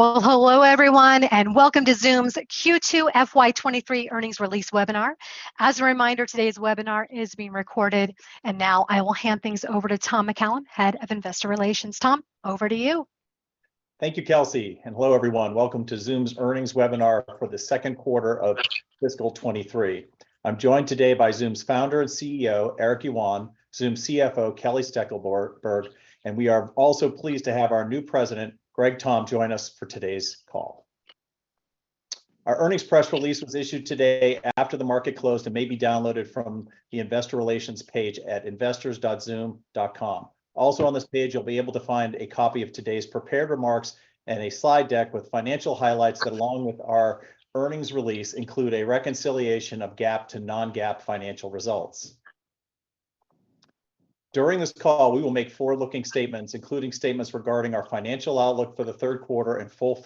Well, hello everyone, and welcome to Zoom's Q2 FY23 earnings release webinar. As a reminder, today's webinar is being recorded, and now I will hand things over to Tom McCallum, Head of Investor Relations. Tom, over to you. Thank you, Kelsey, and hello everyone. Welcome to Zoom's earnings webinar for the second quarter of FY23. I'm joined today by Zoom's founder and CEO, Eric Yuan, Zoom CFO, Kelly Steckelberg, and we are also pleased to have our new president, Greg Tomb, join us for today's call. Our earnings press release was issued today after the market closed, and may be downloaded from the investor relations page at investors.zoom.com. Also on this page, you'll be able to find a copy of today's prepared remarks and a slide deck with financial highlights that, along with our earnings release, include a reconciliation of GAAP to non-GAAP financial results. During this call, we will make forward-looking statements, including statements regarding our financial outlook for the third quarter and full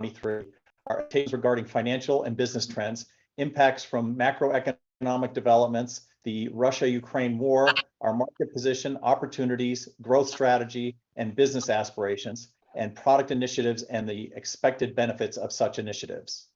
FY23. Our takes regarding financial and business trends, impacts from macroeconomic developments, the Russia-Ukraine war, our market position, opportunities, growth strategy, and business aspirations, and product initiatives and the expected benefits of such initiatives.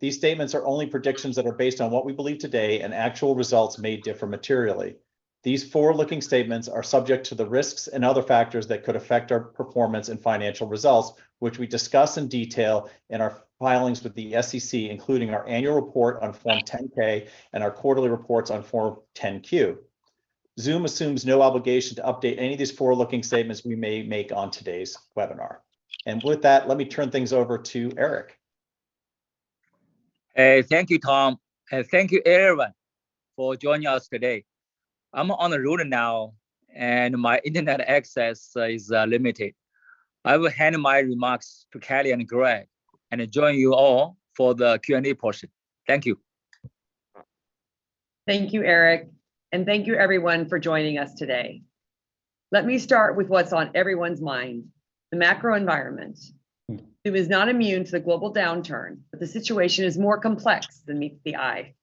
These statements are only predictions that are based on what we believe today, and actual results may differ materially. These forward-looking statements are subject to the risks and other factors that could affect our performance and financial results, which we discuss in detail in our filings with the SEC, including our annual report on Form 10-K and our quarterly reports on Form 10-Q. Zoom assumes no obligation to update any of these forward-looking statements we may make on today's webinar. With that, let me turn things over to Eric. Thank you, Tom, and thank you everyone for joining us today. I'm on the road now, and my internet access is limited. I will hand my remarks to Kelly and Greg, and join you all for the Q&A portion. Thank you. Thank you, Eric, and thank you everyone for joining us today. Let me start with what's on everyone's mind, the macro environment. Zoom is not immune to the global downturn, but the situation is more complex than meets the eye.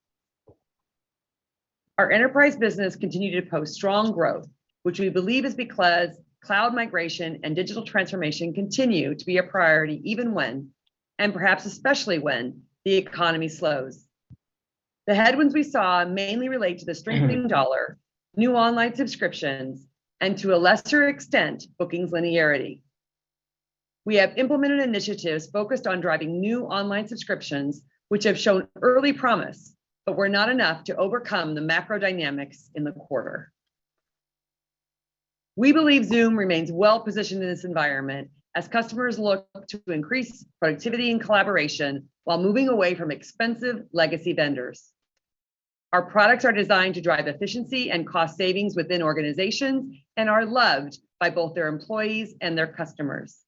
Our enterprise business continued to post strong growth, which we believe is because cloud migration and digital transformation continue to be a priority even when, and perhaps especially when, the economy slows. The headwinds we saw mainly relate to the strengthening dollar, new online subscriptions, and to a lesser extent, bookings linearity. We have implemented initiatives focused on driving new online subscriptions, which have shown early promise, but were not enough to overcome the macro dynamics in the quarter. We believe Zoom remains well positioned in this environment as customers look to increase productivity and collaboration while moving away from expensive legacy vendors. Our products are designed to drive efficiency and cost savings within organizations, and are loved by both their employees and their customers.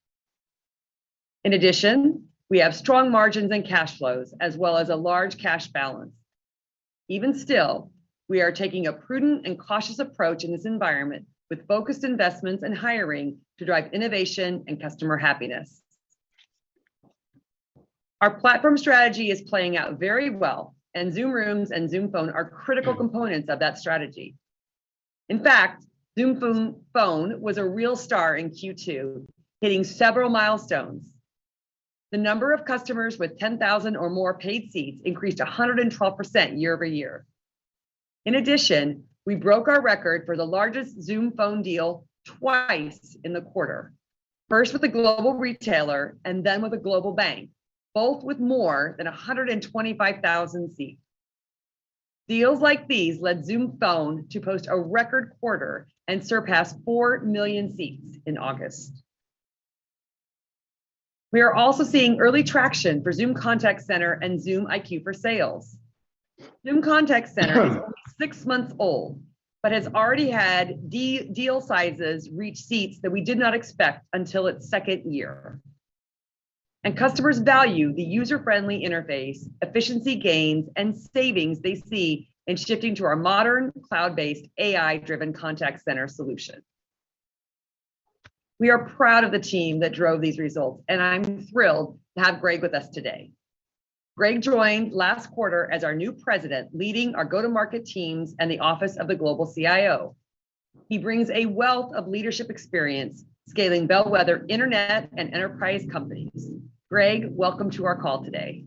In addition, we have strong margins and cash flows, as well as a large cash balance. Even still, we are taking a prudent and cautious approach in this environment, with focused investments and hiring to drive innovation and customer happiness. Our platform strategy is playing out very well, and Zoom Rooms and Zoom Phone are critical components of that strategy. In fact, Zoom Phone was a real star in Q2, hitting several milestones. The number of customers with 10,000 or more paid seats increased 112% year-over-year. In addition, we broke our record for the largest Zoom Phone deal twice in the quarter. First with a global retailer, and then with a global bank, both with more than 125,000 seats. Deals like these led Zoom Phone to post a record quarter and surpass 4 million seats in August. We are also seeing early traction for Zoom Contact Center and Zoom IQ for Sales. Zoom Contact Center is six months old, but has already had deal sizes reach seats that we did not expect until its second year. Customers value the user-friendly interface, efficiency gains, and savings they see in shifting to our modern, cloud-based, AI-driven contact center solution. We are proud of the team that drove these results, and I'm thrilled to have Greg with us today. Greg joined last quarter as our new president, leading our go-to-market teams and the office of the global CIO. He brings a wealth of leadership experience scaling bellwether internet and enterprise companies. Greg, welcome to our call today.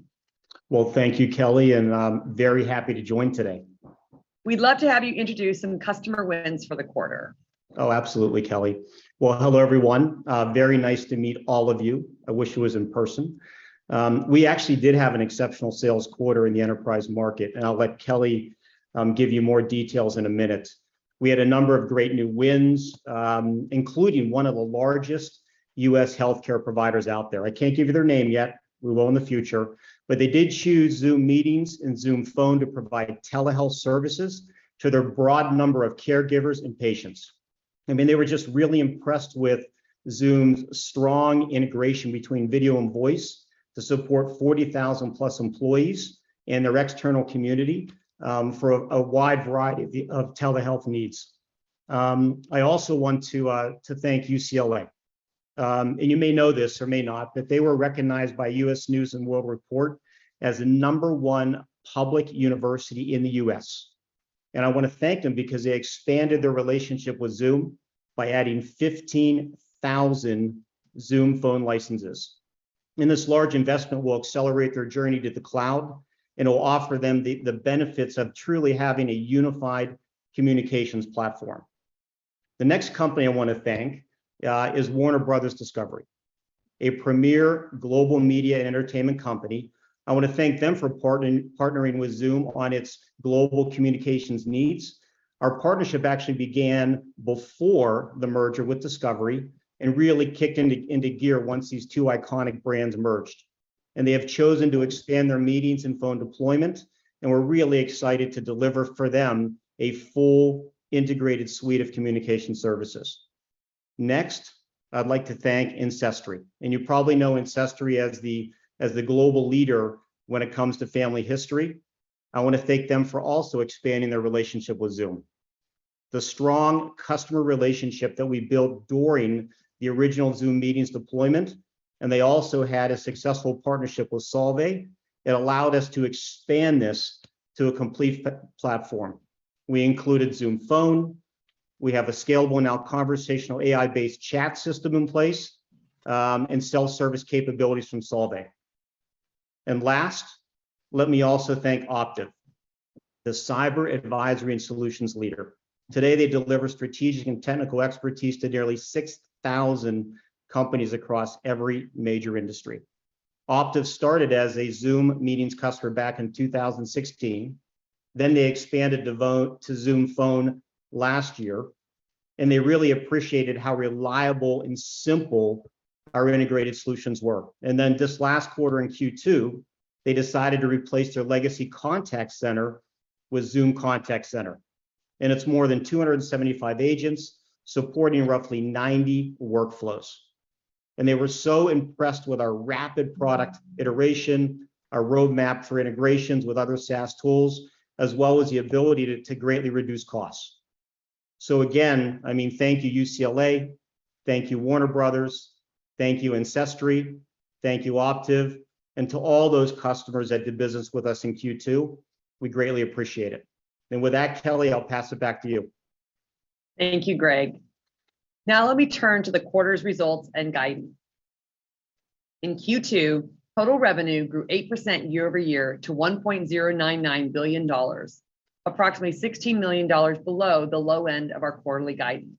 Well, thank you, Kelly, and I'm very happy to join today. We'd love to have you introduce some customer wins for the quarter. Oh, absolutely, Kelly. Well, hello everyone. Very nice to meet all of you. I wish it was in person. We actually did have an exceptional sales quarter in the enterprise market, and I'll let Kelly give you more details in a minute. We had a number of great new wins, including one of the largest U.S. healthcare providers out there. I can't give you their name yet, we will in the future, but they did choose Zoom Meetings and Zoom Phone to provide telehealth services to their broad number of caregivers and patients. I mean, they were just really impressed with Zoom's strong integration between video and voice to support 40,000+ employees and their external community, for a wide variety of telehealth needs. I also want to thank UCLA. You may know this or may not, but they were recognized by U.S. News & World Report as the number one public university in the U.S. I want to thank them because they expanded their relationship with Zoom by adding 15,000 Zoom Phone licenses. This large investment will accelerate their journey to the cloud, and it will offer them the benefits of truly having a unified communications platform. The next company I want to thank is Warner Bros. Discovery, a premier global media and entertainment company. I want to thank them for partnering with Zoom on its global communications needs. Our partnership actually began before the merger with Discovery and really kicked into gear once these two iconic brands merged. They have chosen to expand their meetings and phone deployment, and we're really excited to deliver for them a full integrated suite of communication services. Next, I'd like to thank Ancestry, and you probably know Ancestry as the global leader when it comes to family history. I want to thank them for also expanding their relationship with Zoom. The strong customer relationship that we built during the original Zoom meetings deployment, and they also had a successful partnership with Solvvy. It allowed us to expand this to a complete platform. We included Zoom Phone. We have a scalable now conversational AI-based chat system in place, and self-service capabilities from Solvvy. Last, let me also thank Optiv, the cyber advisory and solutions leader. Today, they deliver strategic and technical expertise to nearly 6,000 companies across every major industry. Optiv started as a Zoom Meetings customer back in 2016. They expanded to Zoom Phone last year, and they really appreciated how reliable and simple our integrated solutions were. This last quarter in Q2, they decided to replace their legacy contact center with Zoom Contact Center. It's more than 275 agents supporting roughly 90 workflows. They were so impressed with our rapid product iteration, our roadmap for integrations with other SaaS tools, as well as the ability to greatly reduce costs. Again, I mean, thank you, UCLA. Thank you, Warner Bros. Thank you, Ancestry. Thank you, Optiv. To all those customers that did business with us in Q2, we greatly appreciate it. With that, Kelly, I'll pass it back to you. Thank you, Greg. Now let me turn to the quarter's results and guidance. In Q2, total revenue grew 8% year-over-year to $1.099 billion, approximately $16 million below the low end of our quarterly guidance.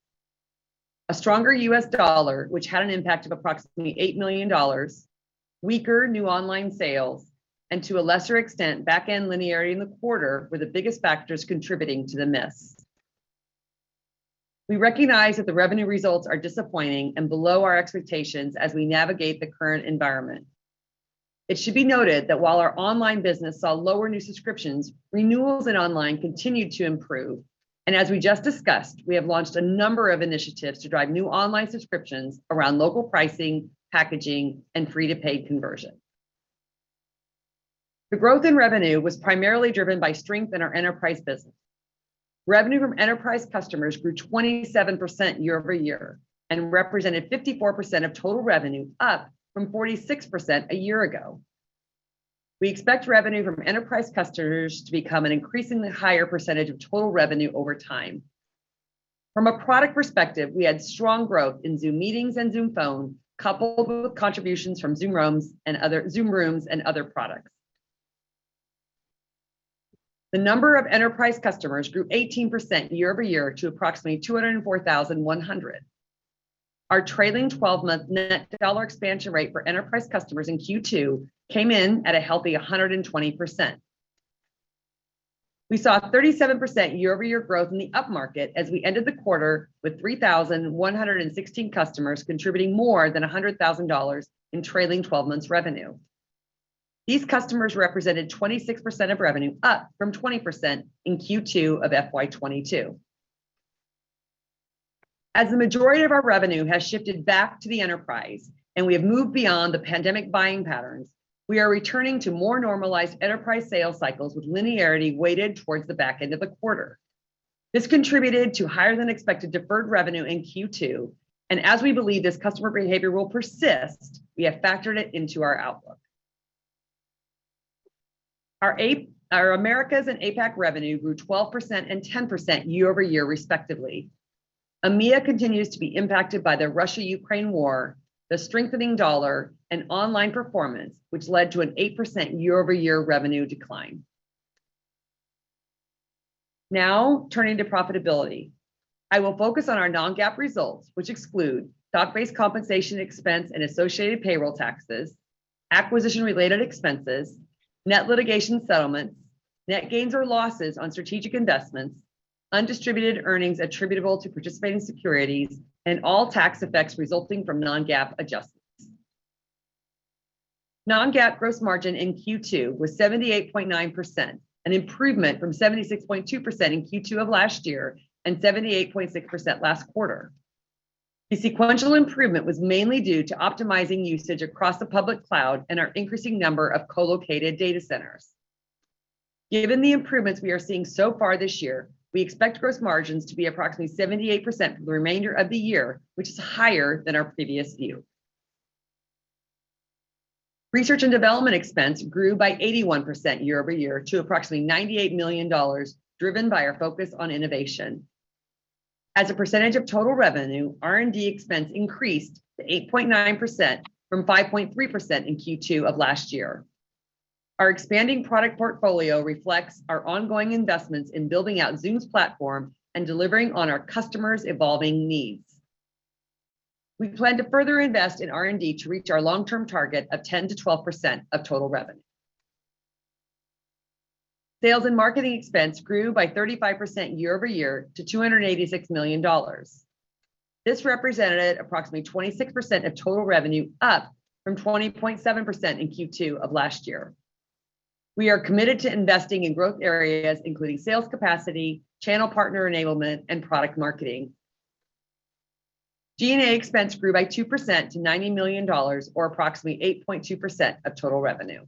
A stronger U.S. dollar, which had an impact of approximately $8 million, weaker new online sales, and to a lesser extent, back-end linearity in the quarter were the biggest factors contributing to the miss. We recognize that the revenue results are disappointing and below our expectations as we navigate the current environment. It should be noted that while our online business saw lower new subscriptions, renewals and online continued to improve. As we just discussed, we have launched a number of initiatives to drive new online subscriptions around local pricing, packaging, and free-to-pay conversion. The growth in revenue was primarily driven by strength in our enterprise business. Revenue from enterprise customers grew 27% year-over-year and represented 54% of total revenue, up from 46% a year ago. We expect revenue from enterprise customers to become an increasingly higher percentage of total revenue over time. From a product perspective, we had strong growth in Zoom Meetings and Zoom Phone, coupled with contributions from Zoom Rooms and other products. The number of enterprise customers grew 18% year-over-year to approximately 204,100. Our trailing 12-month net dollar expansion rate for enterprise customers in Q2 came in at a healthy 120%. We saw 37% year-over-year growth in the upmarket as we ended the quarter with 3,116 customers contributing more than $100,000 in trailing 12 months revenue. These customers represented 26% of revenue, up from 20% in Q2 of FY22. As the majority of our revenue has shifted back to the enterprise and we have moved beyond the pandemic buying patterns, we are returning to more normalized enterprise sales cycles with linearity weighted towards the back end of the quarter. This contributed to higher than expected deferred revenue in Q2, and as we believe this customer behavior will persist, we have factored it into our outlook. Our Americas and APAC revenue grew 12% and 10% year-over-year respectively. EMEA continues to be impacted by the Russia-Ukraine war, the strengthening dollar, and online performance, which led to an 8% year-over-year revenue decline. Now turning to profitability. I will focus on our non-GAAP results, which exclude stock-based compensation expense and associated payroll taxes, acquisition-related expenses, net litigation settlements, net gains or losses on strategic investments, undistributed earnings attributable to participating securities, and all tax effects resulting from non-GAAP adjustments. Non-GAAP gross margin in Q2 was 78.9%, an improvement from 76.2% in Q2 of last year and 78.6% last quarter. The sequential improvement was mainly due to optimizing usage across the public cloud and our increasing number of co-located data centers. Given the improvements we are seeing so far this year, we expect gross margins to be approximately 78% for the remainder of the year, which is higher than our previous view. Research and development expense grew by 81% year-over-year to approximately $98 million, driven by our focus on innovation. As a percentage of total revenue, R&D expense increased to 8.9% from 5.3% in Q2 of last year. Our expanding product portfolio reflects our ongoing investments in building out Zoom's platform and delivering on our customers' evolving needs. We plan to further invest in R&D to reach our long-term target of 10%-12% of total revenue. Sales and marketing expense grew by 35% year-over-year to $286 million. This represented approximately 26% of total revenue, up from 20.7% in Q2 of last year. We are committed to investing in growth areas, including sales capacity, channel partner enablement, and product marketing. G&A expense grew by 2% to $90 million, or approximately 8.2% of total revenue.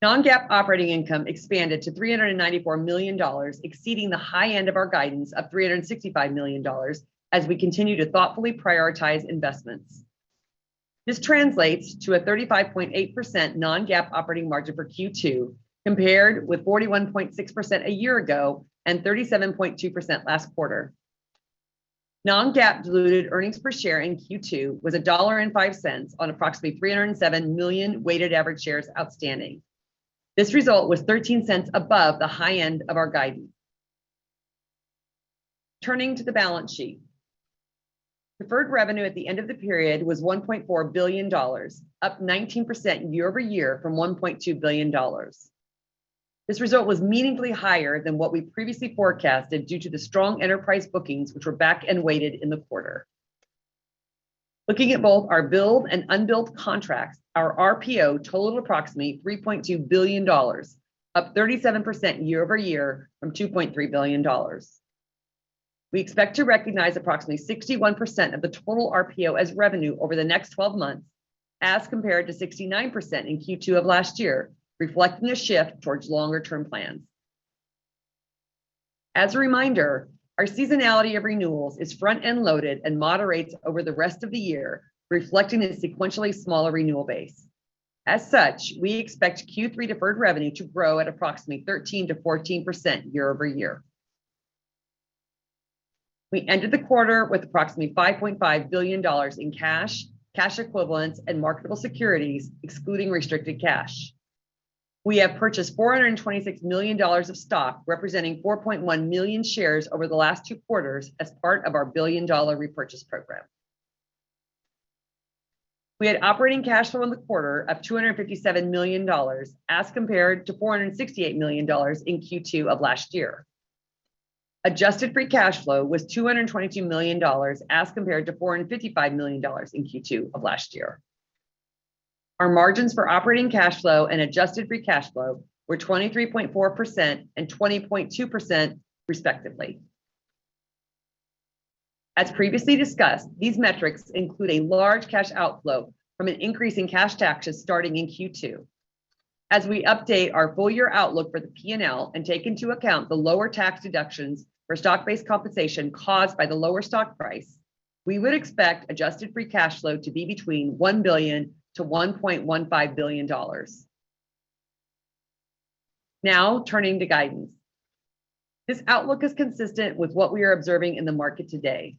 non-GAAP operating income expanded to $394 million, exceeding the high end of our guidance of $365 million as we continue to thoughtfully prioritize investments. This translates to a 35.8% non-GAAP operating margin for Q2, compared with 41.6% a year ago and 37.2% last quarter. non-GAAP diluted earnings per share in Q2 was $1.05 on approximately 307 million weighted average shares outstanding. This result was 13 cents above the high end of our guidance. Turning to the balance sheet. Deferred revenue at the end of the period was $1.4 billion, up 19% year over year from $1.2 billion. This result was meaningfully higher than what we previously forecasted due to the strong enterprise bookings, which were back-end weighted in the quarter. Looking at both our billed and unbilled contracts, our RPO totaled approximately $3.2 billion, up 37% year over year from $2.3 billion. We expect to recognize approximately 61% of the total RPO as revenue over the next twelve months, as compared to 69% in Q2 of last year, reflecting a shift towards longer-term plans. As a reminder, our seasonality of renewals is front-end loaded and moderates over the rest of the year, reflecting a sequentially smaller renewal base. We expect Q3 deferred revenue to grow at approximately 13%-14% year-over-year. We ended the quarter with approximately $5.5 billion in cash equivalents, and marketable securities, excluding restricted cash. We have purchased $426 million of stock, representing 4.1 million shares over the last two quarters as part of our billion-dollar repurchase program. We had operating cash flow in the quarter of $257 million as compared to $468 million in Q2 of last year. Adjusted free cash flow was $222 million as compared to $455 million in Q2 of last year. Our margins for operating cash flow and adjusted free cash flow were 23.4% and 20.2% respectively. As previously discussed, these metrics include a large cash outflow from an increase in cash taxes starting in Q2. As we update our full-year outlook for the P&L and take into account the lower tax deductions for stock-based compensation caused by the lower stock price, we would expect adjusted free cash flow to be between $1 billion and $1.15 billion. Now, turning to guidance. This outlook is consistent with what we are observing in the market today.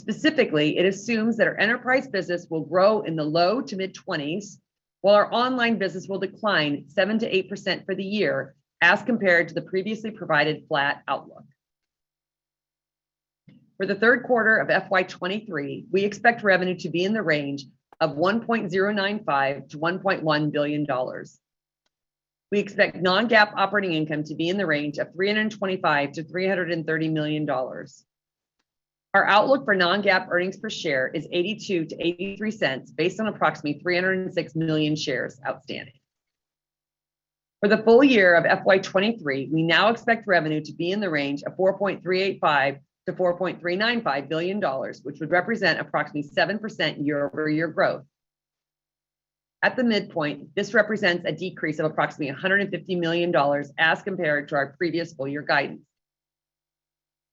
Specifically, it assumes that our enterprise business will grow in the low- to mid-20s, while our online business will decline 7%-8% for the year as compared to the previously provided flat outlook. For the third quarter of FY23, we expect revenue to be in the range of $1.095 billion-$1.1 billion. We expect non-GAAP operating income to be in the range of $325 million-$330 million. Our outlook for non-GAAP earnings per share is $0.82-$0.83 based on approximately 306 million shares outstanding. For the full-year of FY23, we now expect revenue to be in the range of $4.385 billion-$4.395 billion, which would represent approximately 7% year-over-year growth. At the midpoint, this represents a decrease of approximately $150 million as compared to our previous full-year guidance.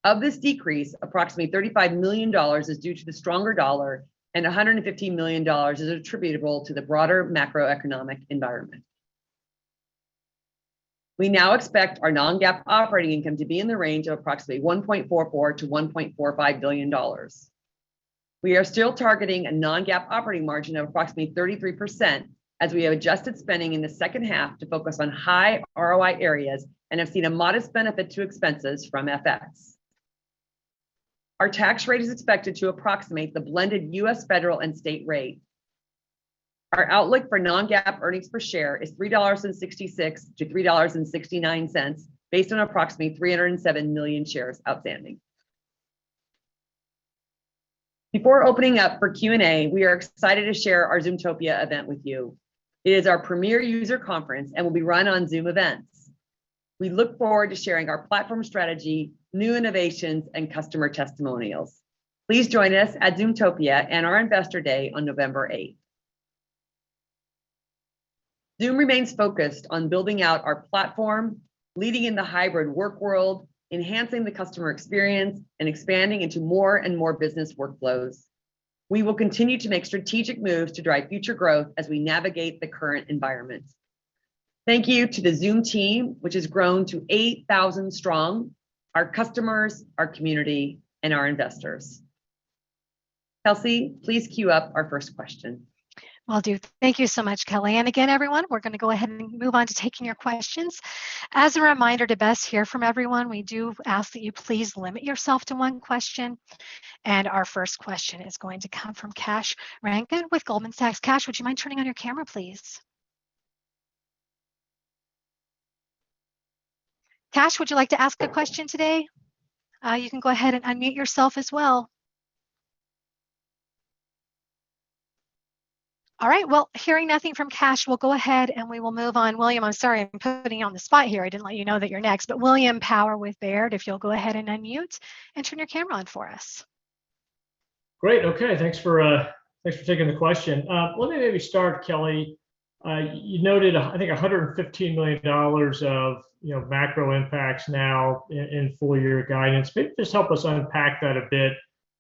Of this decrease, approximately $35 million is due to the stronger dollar, and $115 million is attributable to the broader macroeconomic environment. We now expect our non-GAAP operating income to be in the range of approximately $1.44 billion-$1.45 billion. We are still targeting a non-GAAP operating margin of approximately 33% as we have adjusted spending in the second half to focus on high ROI areas and have seen a modest benefit to expenses from FX. Our tax rate is expected to approximate the blended U.S. federal and state rate. Our outlook for non-GAAP earnings per share is $3.66-$3.69 based on approximately 307 million shares outstanding. Before opening up for Q&A, we are excited to share our Zoomtopia event with you. It is our premier user conference and will be run on Zoom Events. We look forward to sharing our platform strategy, new innovations, and customer testimonials. Please join us at Zoomtopia and our Investor Day on November eighth. Zoom remains focused on building out our platform, leading in the hybrid work world, enhancing the customer experience, and expanding into more and more business workflows. We will continue to make strategic moves to drive future growth as we navigate the current environment. Thank you to the Zoom team, which has grown to 8,000 strong, our customers, our community, and our investors. Kelsey, please queue up our first question. Will do. Thank you so much, Kelly. Again, everyone, we're gonna go ahead and move on to taking your questions. As a reminder, to best hear from everyone, we do ask that you please limit yourself to one question, and our first question is going to come from Kash Rangan with Goldman Sachs. Kash, would you mind turning on your camera, please? Kash, would you like to ask a question today? You can go ahead and unmute yourself as well. All right, well, hearing nothing from Kash, we'll go ahead, and we will move on. William, I'm sorry, I'm putting you on the spot here. I didn't let you know that you're next, but William Power with Baird, if you'll go ahead and unmute and turn your camera on for us. Great. Okay, thanks for taking the question. Let me maybe start, Kelly, you noted, I think, $115 million of, you know, macro impacts now in full-year guidance. Maybe just help us unpack that a bit.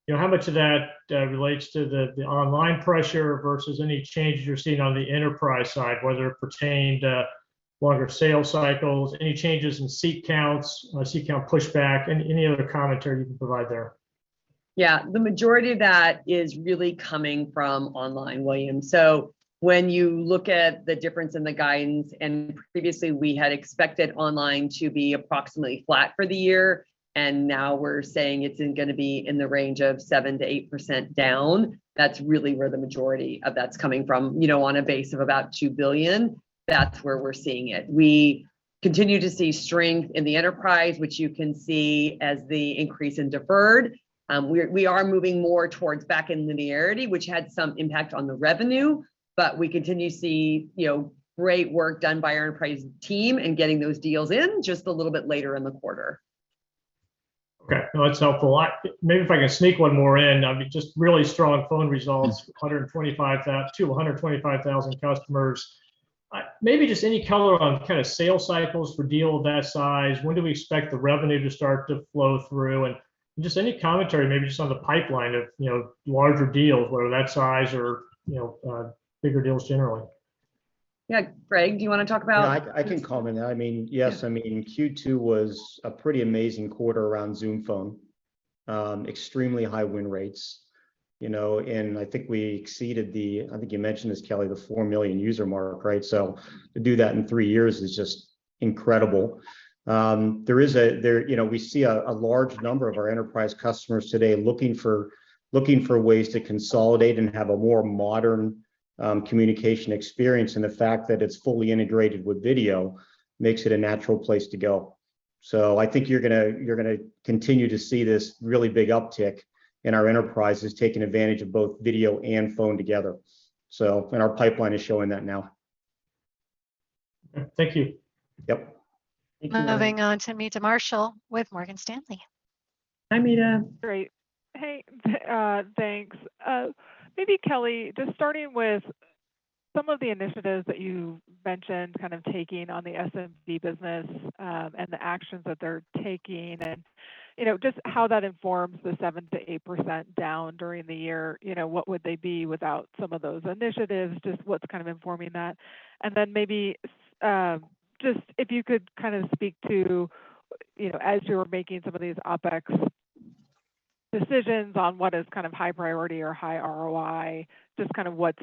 You know, how much of that relates to the online pressure versus any changes you're seeing on the enterprise side, whether it pertained to longer sales cycles, any changes in seat counts, seat count pushback, any other commentary you can provide there? Yeah. The majority of that is really coming from online, William. When you look at the difference in the guidance, previously we had expected online to be approximately flat for the year, and now we're saying it's gonna be in the range of 7%-8% down, that's really where the majority of that's coming from. You know, on a base of about $2 billion, that's where we're seeing it. We continue to see strength in the enterprise, which you can see as the increase in deferred. We are moving more towards back in linearity, which had some impact on the revenue, but we continue to see, you know, great work done by our enterprise team in getting those deals in just a little bit later in the quarter. Okay. No, that's helpful. Maybe if I can sneak one more in. I mean, just really strong phone results. Mm. 225,000 customers. Maybe just any color on kinda sales cycles for a deal of that size. When do we expect the revenue to start to flow through? Just any commentary maybe just on the pipeline of, you know, larger deals, whether that size or, you know, bigger deals generally. Yeah. Greg, do you wanna talk about- Yeah, I can comment on that. I mean Yeah Yes, I mean, Q2 was a pretty amazing quarter around Zoom Phone. Extremely high win rates, you know, and I think we exceeded the, I think you mentioned this, Kelly, the 4 million user mark, right? To do that in three years is just incredible. You know, we see a large number of our enterprise customers today looking for ways to consolidate and have a more modern communication experience, and the fact that it's fully integrated with video makes it a natural place to go. I think you're gonna continue to see this really big uptick in our enterprises taking advantage of both video and phone together, and our pipeline is showing that now. Thank you. Yep. Moving on to Meta Marshall with Morgan Stanley. Hi, Meta. Great. Hey, thanks. Maybe Kelly, just starting with some of the initiatives that you mentioned kind of taking on the SMB business, and the actions that they're taking and, you know, just how that informs the 7%-8% down during the year. You know, what would they be without some of those initiatives? Just what's kind of informing that? Maybe, just if you could kind of speak to, you know, as you were making some of these OPEX decisions on what is kind of high priority or high ROI, just kind of what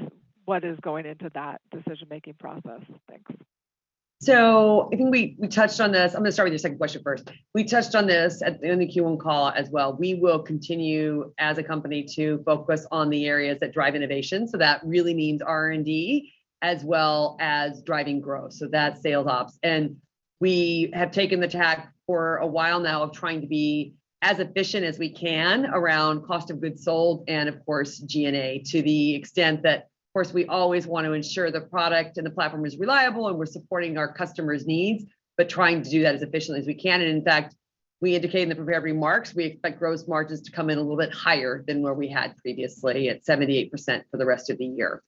is going into that decision-making process. Thanks. I think we touched on this. I'm gonna start with your second question first. We touched on this in the Q1 call as well. We will continue, as a company, to focus on the areas that drive innovation, so that really means R&D as well as driving growth, so that's sales ops. We have taken the tack for a while now of trying to be as efficient as we can around cost of goods sold and of course G&A to the extent that, of course, we always want to ensure the product and the platform is reliable and we're supporting our customers' needs, but trying to do that as efficiently as we can. In fact, we indicated in the prepared remarks, we expect gross margins to come in a little bit higher than where we had previously at 78% for the rest of the year.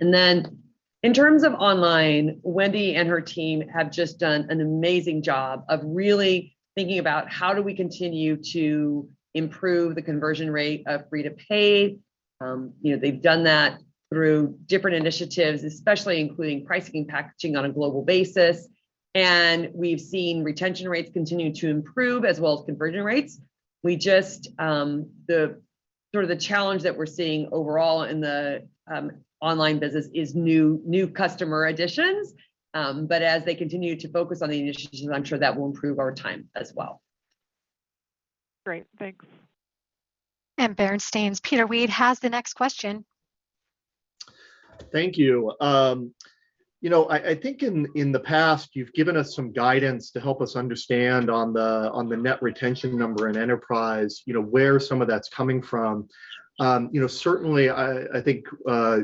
In terms of online, Wendy and her team have just done an amazing job of really thinking about how do we continue to improve the conversion rate of free to paid. You know, they've done that through different initiatives, especially including pricing and packaging on a global basis, and we've seen retention rates continue to improve as well as conversion rates. We just, the sort of challenge that we're seeing overall in the online business is new customer additions. As they continue to focus on the initiatives, I'm sure that will improve over time as well. Great. Thanks. AllianceBernstein's Peter Weed has the next question. Thank you. You know, I think in the past you've given us some guidance to help us understand on the net retention number in enterprise, you know, where some of that's coming from. You know, certainly I think,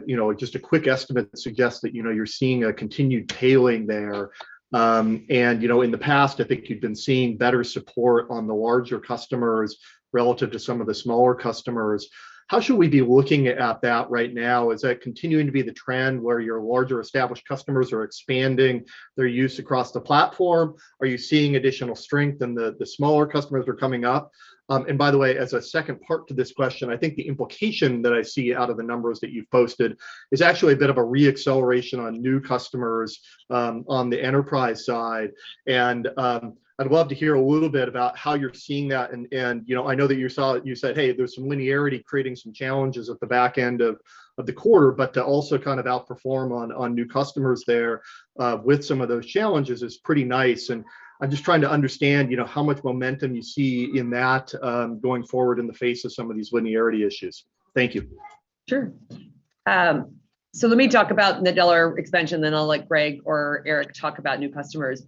you know, just a quick estimate suggests that, you know, you're seeing a continued tailing there. You know, in the past, I think you've been seeing better support on the larger customers relative to some of the smaller customers. How should we be looking at that right now? Is that continuing to be the trend where your larger established customers are expanding their use across the platform? Are you seeing additional strength in the smaller customers that are coming up? By the way, as a second part to this question, I think the implication that I see out of the numbers that you've posted is actually a bit of a re-acceleration on new customers on the enterprise side, and I'd love to hear a little bit about how you're seeing that. You know, I know that you said, "Hey, there's some linearity creating some challenges at the back end of the quarter," but to also kind of outperform on new customers there with some of those challenges is pretty nice. I'm just trying to understand, you know, how much momentum you see in that going forward in the face of some of these linearity issues. Thank you. Sure. So let me talk about net dollar expansion, then I'll let Greg Tomb or Eric Yuan talk about new customers.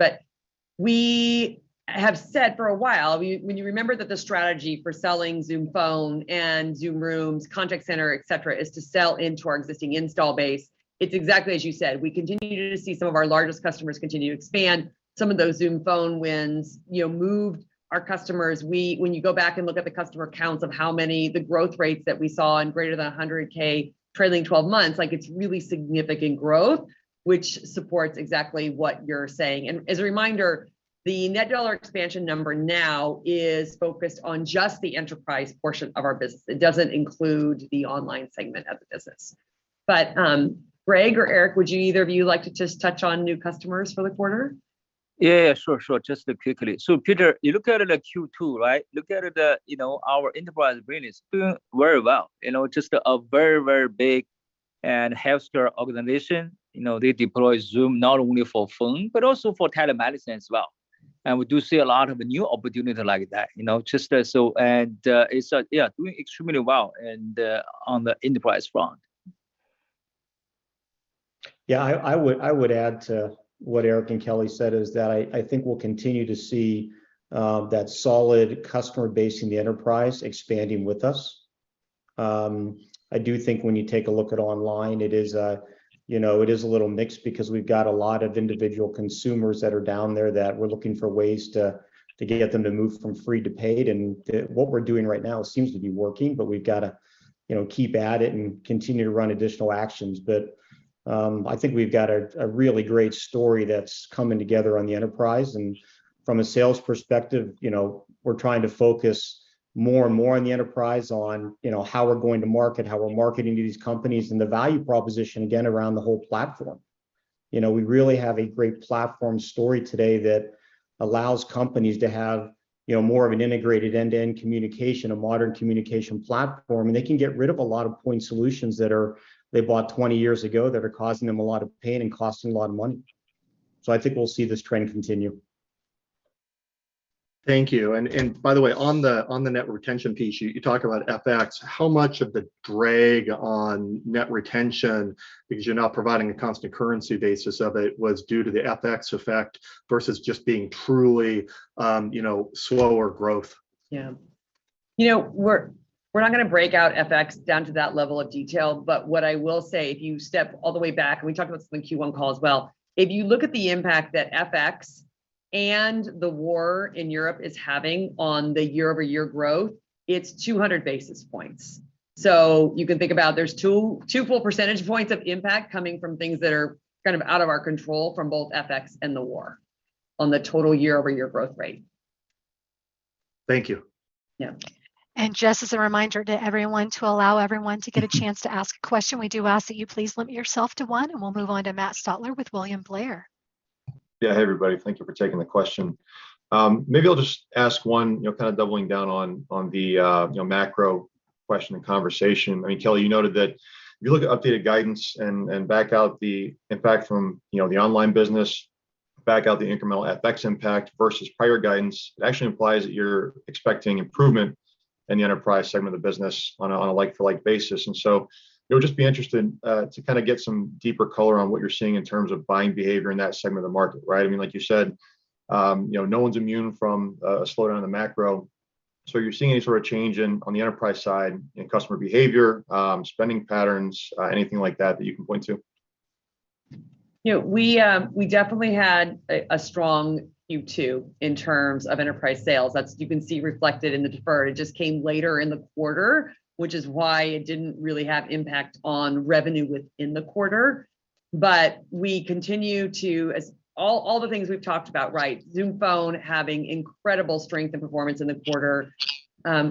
We have said for a while, when you remember that the strategy for selling Zoom Phone and Zoom Rooms, Zoom Contact Center, et cetera, is to sell into our existing install base, it's exactly as you said. We continue to see some of our largest customers continue to expand. Some of those Zoom Phone wins, you know, moved our customers. When you go back and look at the customer counts of how many the growth rates that we saw in greater than 100K trailing 12 months, like, it's really significant growth, which supports exactly what you're saying. As a reminder, the net dollar expansion number now is focused on just the enterprise portion of our business. It doesn't include the online segment of the business. Greg or Eric, would you either of you like to just touch on new customers for the quarter? Yeah. Sure, sure. Just quickly. Peter, you look at it at Q2, right? You know, our enterprise business doing very well. You know, just a very, very big healthcare organization. You know, they deploy Zoom not only for phone but also for telemedicine as well, and we do see a lot of new opportunity like that. You know, just so it's yeah doing extremely well on the enterprise front. Yeah. I would add to what Eric and Kelly said is that I think we'll continue to see that solid customer base in the enterprise expanding with us. I do think when you take a look at online, you know, it is a little mixed because we've got a lot of individual consumers that are down there that we're looking for ways to get them to move from free to paid, and what we're doing right now seems to be working, but we've gotta, you know, keep at it and continue to run additional actions. I think we've got a really great story that's coming together on the enterprise. From a sales perspective, you know, we're trying to focus more and more on the enterprise on, you know, how we're going to market, how we're marketing to these companies, and the value proposition, again, around the whole platform. You know, we really have a great platform story today that allows companies to have, you know, more of an integrated end-to-end communication, a modern communication platform, and they can get rid of a lot of point solutions that are, they bought 20 years ago that are causing them a lot of pain and costing a lot of money. I think we'll see this trend continue. Thank you. By the way, on the net retention piece, you talk about FX. How much of the drag on net retention, because you're not providing a constant currency basis of it, was due to the FX effect versus just being truly, you know, slower growth? Yeah. You know, we're not gonna break out FX down to that level of detail, but what I will say, if you step all the way back, and we talked about this on the Q1 call as well, if you look at the impact that FX and the war in Europe is having on the year-over-year growth, it's 200 basis points. So you can think about there's 2 full percentage points of impact coming from things that are kind of out of our control from both FX and the war on the total year-over-year growth rate. Thank you. Yeah. Just as a reminder to everyone to allow everyone to get a chance to ask a question, we do ask that you please limit yourself to one, and we'll move on to Matt Stotler with William Blair. Yeah. Hey, everybody. Thank you for taking the question. Maybe I'll just ask one, you know, kind of doubling down on the, you know, macro question and conversation. I mean, Kelly, you noted that if you look at updated guidance and back out the impact from, you know, the online business, back out the incremental FX impact versus prior guidance, it actually implies that you're expecting improvement in the enterprise segment of the business on a like-for-like basis. It would just be interesting to kind of get some deeper color on what you're seeing in terms of buying behavior in that segment of the market, right? I mean, like you said, you know, no one's immune from a slowdown in the macro, so are you seeing any sort of change in, on the enterprise side in customer behavior, spending patterns, anything like that that you can point to? You know, we definitely had a strong Q2 in terms of enterprise sales. That's you can see reflected in the deferred. It just came later in the quarter, which is why it didn't really have impact on revenue within the quarter. We continue to, as all the things we've talked about, right? Zoom Phone having incredible strength and performance in the quarter.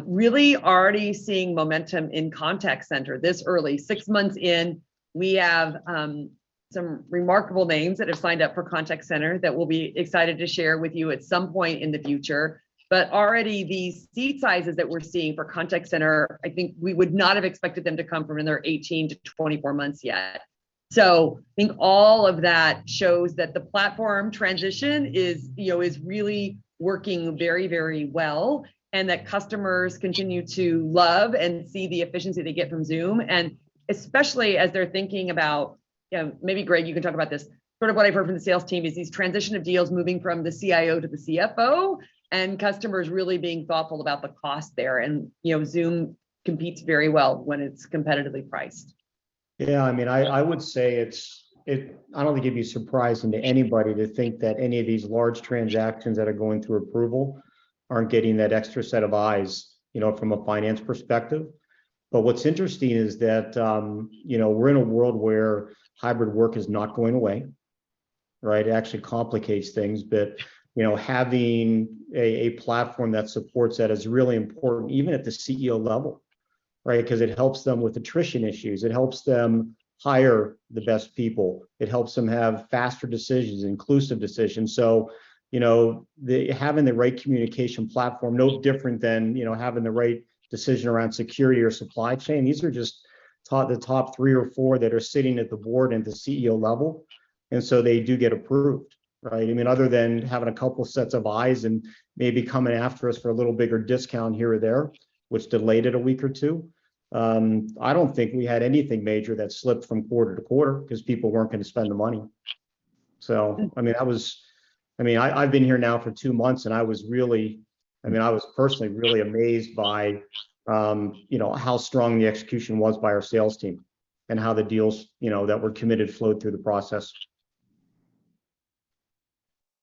Really already seeing momentum in Contact Center this early. Six months in, we have some remarkable names that have signed up for Contact Center that we'll be excited to share with you at some point in the future. Already these seat sizes that we're seeing for Contact Center, I think we would not have expected them to come from in their 18-24 months yet. I think all of that shows that the platform transition is, you know, really working very, very well, and that customers continue to love and see the efficiency they get from Zoom, and especially as they're thinking about. Yeah, maybe Greg, you can talk about this. Sort of what I've heard from the sales team is these transition of deals moving from the CIO to the CFO and customers really being thoughtful about the cost there. You know, Zoom competes very well when it's competitively priced. Yeah. I mean, I would say I don't think it'd be surprising to anybody to think that any of these large transactions that are going through approval aren't getting that extra set of eyes, you know, from a finance perspective. What's interesting is that, you know, we're in a world where hybrid work is not going away, right? It actually complicates things. You know, having a platform that supports that is really important, even at the CEO level, right? 'Cause it helps them with attrition issues, it helps them hire the best people, it helps them have faster decisions, inclusive decisions. You know, having the right communication platform, no different than, you know, having the right decision around security or supply chain. These are just the top three or four that are sitting at the board and the CEO level, and so they do get approved, right? I mean, other than having a couple sets of eyes and maybe coming after us for a little bigger discount here or there, which delayed it a week or two, I don't think we had anything major that slipped from quarter to quarter 'cause people weren't gonna spend the money. Mm. I mean, I've been here now for two months, and I was personally really amazed by, you know, how strong the execution was by our sales team and how the deals, you know, that were committed flowed through the process.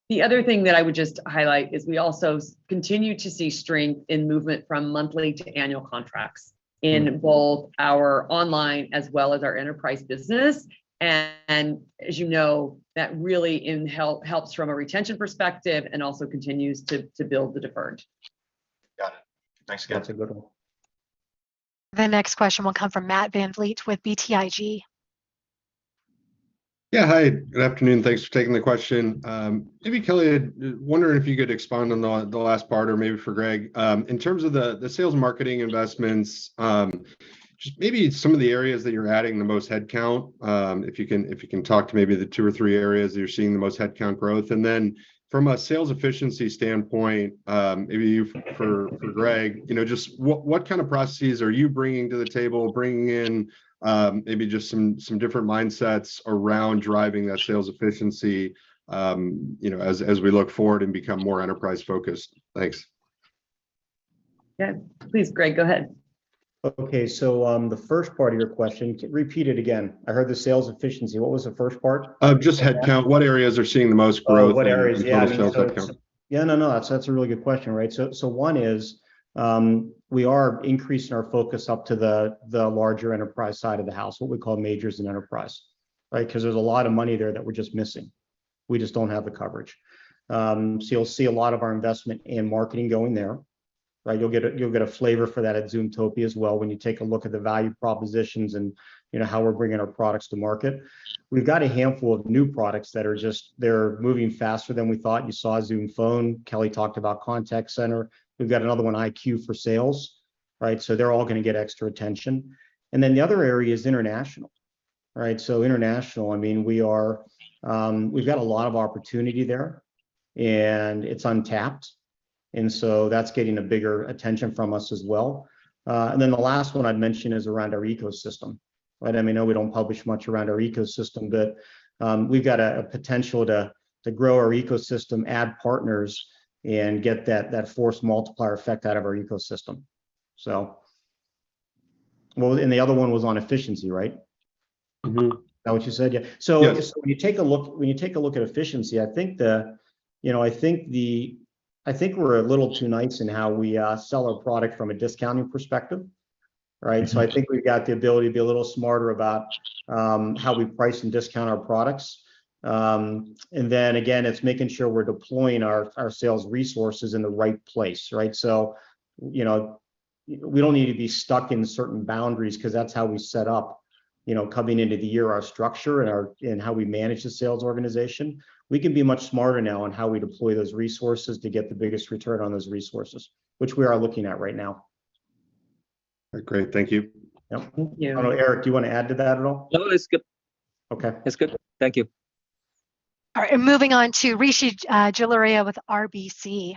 The other thing that I would just highlight is we also continue to see strength in movement from monthly to annual contracts. Mm-hmm in both our online as well as our enterprise business. As you know, that really helps from a retention perspective and also continues to build the deferred. Got it. Thanks, guys. That's a good one. The next question will come from Matt VanVliet with BTIG. Yeah. Hi, good afternoon. Thanks for taking the question. Maybe Kelly, I wonder if you could expand on the last part, or maybe for Greg. In terms of the sales and marketing investments, just maybe some of the areas that you're adding the most headcount, if you can talk to maybe the two or three areas that you're seeing the most headcount growth. Then from a sales efficiency standpoint, for Greg, you know, just what kind of processes are you bringing to the table, bringing in, maybe just some different mindsets around driving that sales efficiency, you know, as we look forward and become more enterprise-focused? Thanks. Yeah. Please, Greg, go ahead. Okay. The first part of your question, repeat it again. I heard the sales efficiency. What was the first part? Just headcount. What areas are seeing the most growth? Oh, what areas, yeah. in terms of headcount. I mean, yeah, no, that's a really good question, right? One is we are increasing our focus up to the larger enterprise side of the house, what we call majors in enterprise, right? 'Cause there's a lot of money there that we're just missing. We just don't have the coverage. You'll see a lot of our investment in marketing going there, right? You'll get a flavor for that at Zoomtopia as well, when you take a look at the value propositions and you know how we're bringing our products to market. We've got a handful of new products that are just moving faster than we thought. You saw Zoom Phone. Kelly talked about contact center. We've got another one, IQ for sales, right? They're all gonna get extra attention. The other area is international, right? International, I mean, we are, we've got a lot of opportunity there, and it's untapped, and so that's getting a bigger attention from us as well. The last one I'd mention is around our ecosystem, right? I mean, I know we don't publish much around our ecosystem, but we've got a potential to grow our ecosystem, add partners, and get that force multiplier effect out of our ecosystem, so. Well, the other one was on efficiency, right? Mm-hmm. Is that what you said? Yeah. Yes. When you take a look at efficiency, I think, you know, we're a little too nice in how we sell our product from a discounting perspective, right? Mm-hmm. I think we've got the ability to be a little smarter about how we price and discount our products. It's making sure we're deploying our sales resources in the right place, right? You know, we don't need to be stuck in certain boundaries 'cause that's how we set up, you know, coming into the year, our structure and how we manage the sales organization. We can be much smarter now on how we deploy those resources to get the biggest return on those resources, which we are looking at right now. Great. Thank you. Yeah. Yeah. I don't know, Eric, do you wanna add to that at all? No, that's good. Okay. That's good. Thank you. All right, moving on to Rishi Jaluria with RBC.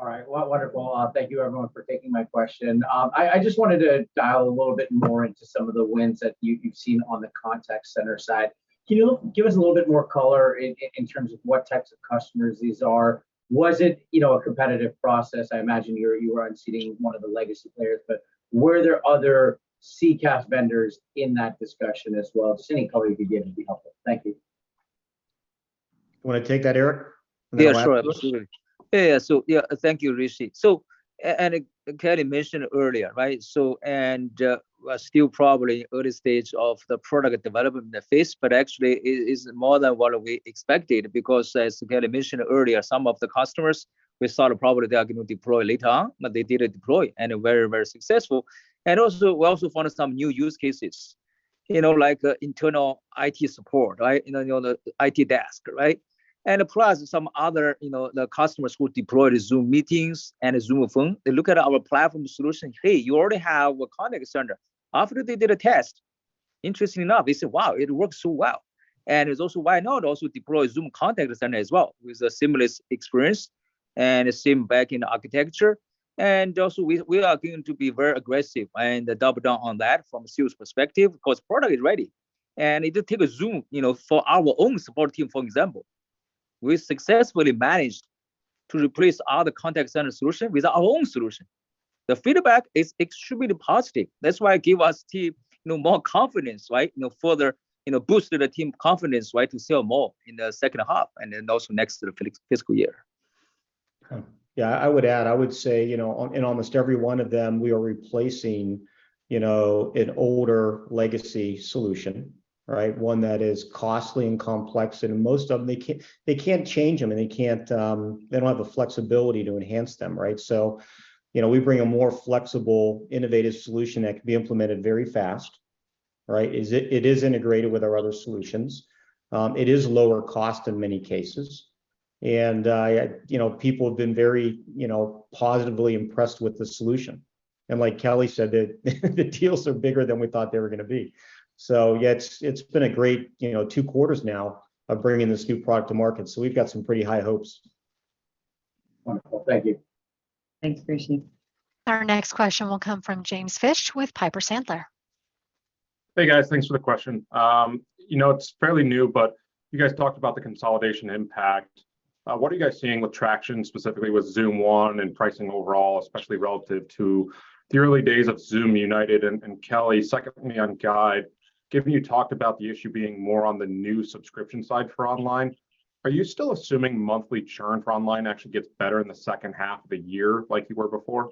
All right. Well, wonderful. Thank you everyone for taking my question. I just wanted to dial a little bit more into some of the wins that you've seen on the contact center side. Can you give us a little bit more color in terms of what types of customers these are? Was it, you know, a competitive process? I imagine you are unseating one of the legacy players, but were there other CCaaS vendors in that discussion as well? Just any color you can give would be helpful. Thank you. You wanna take that, Eric, on that last piece? Yeah, sure. Absolutely. Yeah. Thank you, Rishi. Kelly mentioned earlier, right, we're still probably early stage of the product development phase, but actually is more than what we expected because as Kelly mentioned earlier, some of the customers, we thought probably they are gonna deploy later on, but they did deploy and are very successful. Also, we also found some new use cases, you know, like, internal IT support, right, you know, the IT desk, right? Plus some other, you know, the customers who deploy the Zoom Meetings and Zoom Phone, they look at our platform solution, "Hey, you already have a contact center." After they did a test, interestingly enough, they said, "Wow, it works so well." It's also why now they also deploy Zoom Contact Center as well with a seamless experience. The same back in architecture. Also we are going to be very aggressive and double down on that from sales perspective, because product is ready. It take Zoom, you know, for our own support team, for example, we successfully managed to replace all the contact center solution with our own solution. The feedback is extremely positive. That's why give us team, you know, more confidence, right? You know, further, you know, boosted the team confidence, right, to sell more in the second half, and then also next fiscal year. Okay. Yeah, I would add, I would say, you know, on, in almost every one of them we are replacing, you know, an older legacy solution, right? One that is costly and complex, and in most of them they can't change them and they don't have the flexibility to enhance them, right? You know, we bring a more flexible, innovative solution that can be implemented very fast, right? It is integrated with our other solutions. It is lower cost in many cases. People have been very, you know, positively impressed with the solution. Like Kelly said, the deals are bigger than we thought they were gonna be. Yeah, it's been a great, you know, two quarters now of bringing this new product to market, so we've got some pretty high hopes. Wonderful. Thank you. Thanks, Rishi. Our next question will come from James Fish with Piper Sandler. Hey, guys. Thanks for the question. You know, it's fairly new, but you guys talked about the consolidation impact. What are you guys seeing with traction, specifically with Zoom One and pricing overall, especially relative to the early days of Zoom United? Kelly, secondly on guide, given you talked about the issue being more on the new subscription side for online, are you still assuming monthly churn for online actually gets better in the second half of the year like you were before?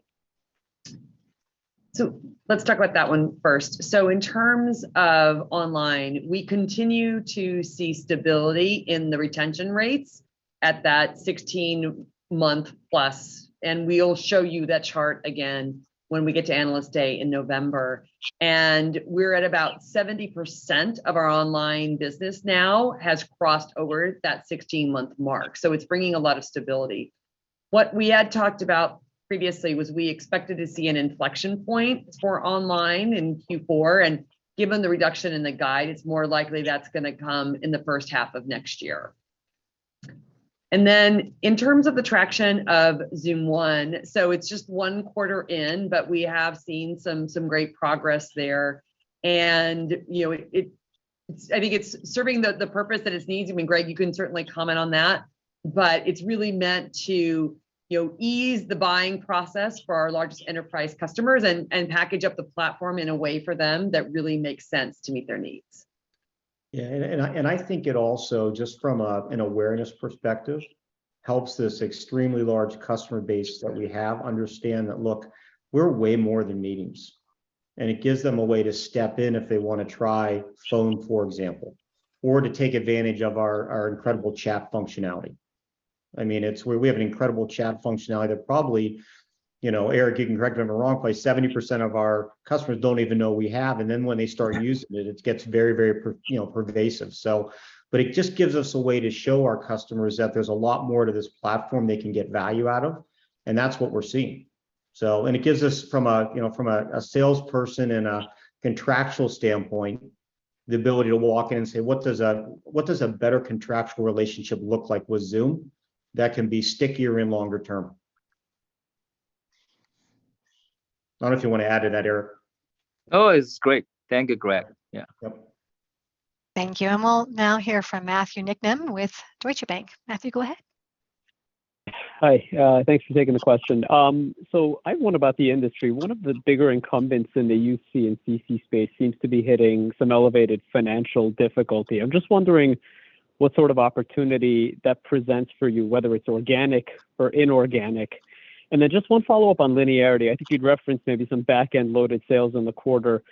Let's talk about that one first. In terms of online, we continue to see stability in the retention rates at that 16-month plus, and we'll show you that chart again when we get to Analyst Day in November. We're at about 70% of our online business now has crossed over that 16-month mark. It's bringing a lot of stability. What we had talked about previously was we expected to see an inflection point for online in Q4, and given the reduction in the guide, it's more likely that's gonna come in the first half of next year. Then in terms of the traction of Zoom One, it's just one quarter in, but we have seen some great progress there. You know, it's serving the purpose that it needs. I mean, Greg, you can certainly comment on that. It's really meant to, you know, ease the buying process for our largest enterprise customers and package up the platform in a way for them that really makes sense to meet their needs. Yeah. I think it also, just from an awareness perspective, helps this extremely large customer base that we have understand that, look, we're way more than meetings. It gives them a way to step in if they wanna try Phone, for example, or to take advantage of our incredible chat functionality. I mean, we have an incredible chat functionality that probably, you know, Eric, you can correct me if I'm wrong, probably 70% of our customers don't even know we have. Then when they start using it gets very pervasive. It just gives us a way to show our customers that there's a lot more to this platform they can get value out of, and that's what we're seeing. It gives us from a, you know, salesperson and a contractual standpoint, the ability to walk in and say, "What does a better contractual relationship look like with Zoom that can be stickier and longer term?" I don't know if you want to add to that, Eric. Oh, it's great. Thank you, Greg. Yeah. Yep. Thank you. We'll now hear from Matthew Niknam with Deutsche Bank. Matthew, go ahead. Hi. Thanks for taking the question. I have one about the industry. One of the bigger incumbents in the UC and CC space seems to be hitting some elevated financial difficulty. I'm just wondering what sort of opportunity that presents for you, whether it's organic or inorganic. Just one follow-up on linearity. I think you'd referenced maybe some back-end loaded sales in the quarter.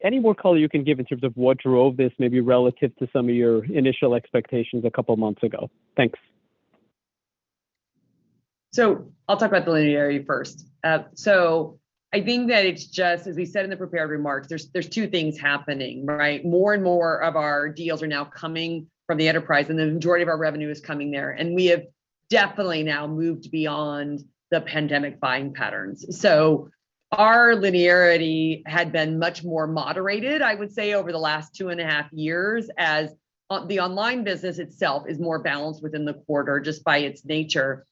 Any more color you can give in terms of what drove this, maybe relative to some of your initial expectations a couple months ago? Thanks. I'll talk about the linearity first. I think that it's just as we said in the prepared remarks, there's two things happening, right? More and more of our deals are now coming from the enterprise, and the majority of our revenue is coming there, and we have definitely now moved beyond the pandemic buying patterns. Our linearity had been much more moderated, I would say, over the last two and a half years, as the online business itself is more balanced within the quarter just by its nature.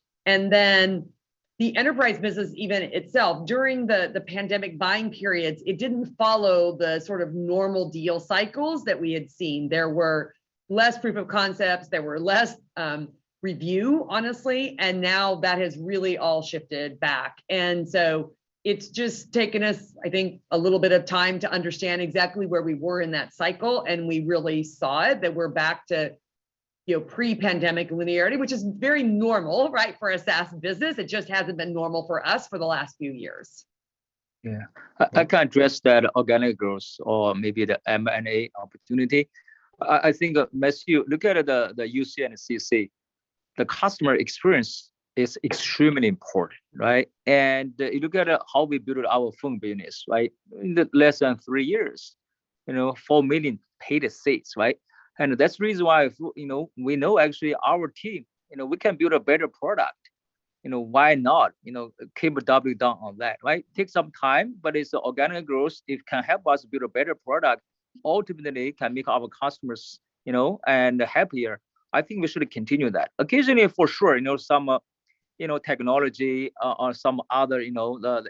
The enterprise business even itself, during the pandemic buying periods, it didn't follow the sort of normal deal cycles that we had seen. There were less proof of concepts, there were less review, honestly. Now that has really all shifted back. It's just taken us, I think, a little bit of time to understand exactly where we were in that cycle, and we really saw it, that we're back to, you know, pre-pandemic linearity, which is very normal, right, for a SaaS business. It just hasn't been normal for us for the last few years. Yeah. I can address that organic growth or maybe the M&A opportunity. I think, Matthew, look at the UC and CC. The customer experience is extremely important, right? You look at how we build our phone business, right? In less than three years, you know, 4 million paid seats, right? That's the reason why you know, we know actually our team, you know, we can build a better product. You know, why not? You know, keep doubling down on that, right? Take some time, but it's organic growth, it can help us build a better product. Ultimately, it can make our customers, you know, happier. I think we should continue that. Occasionally, for sure, you know, some technology or some other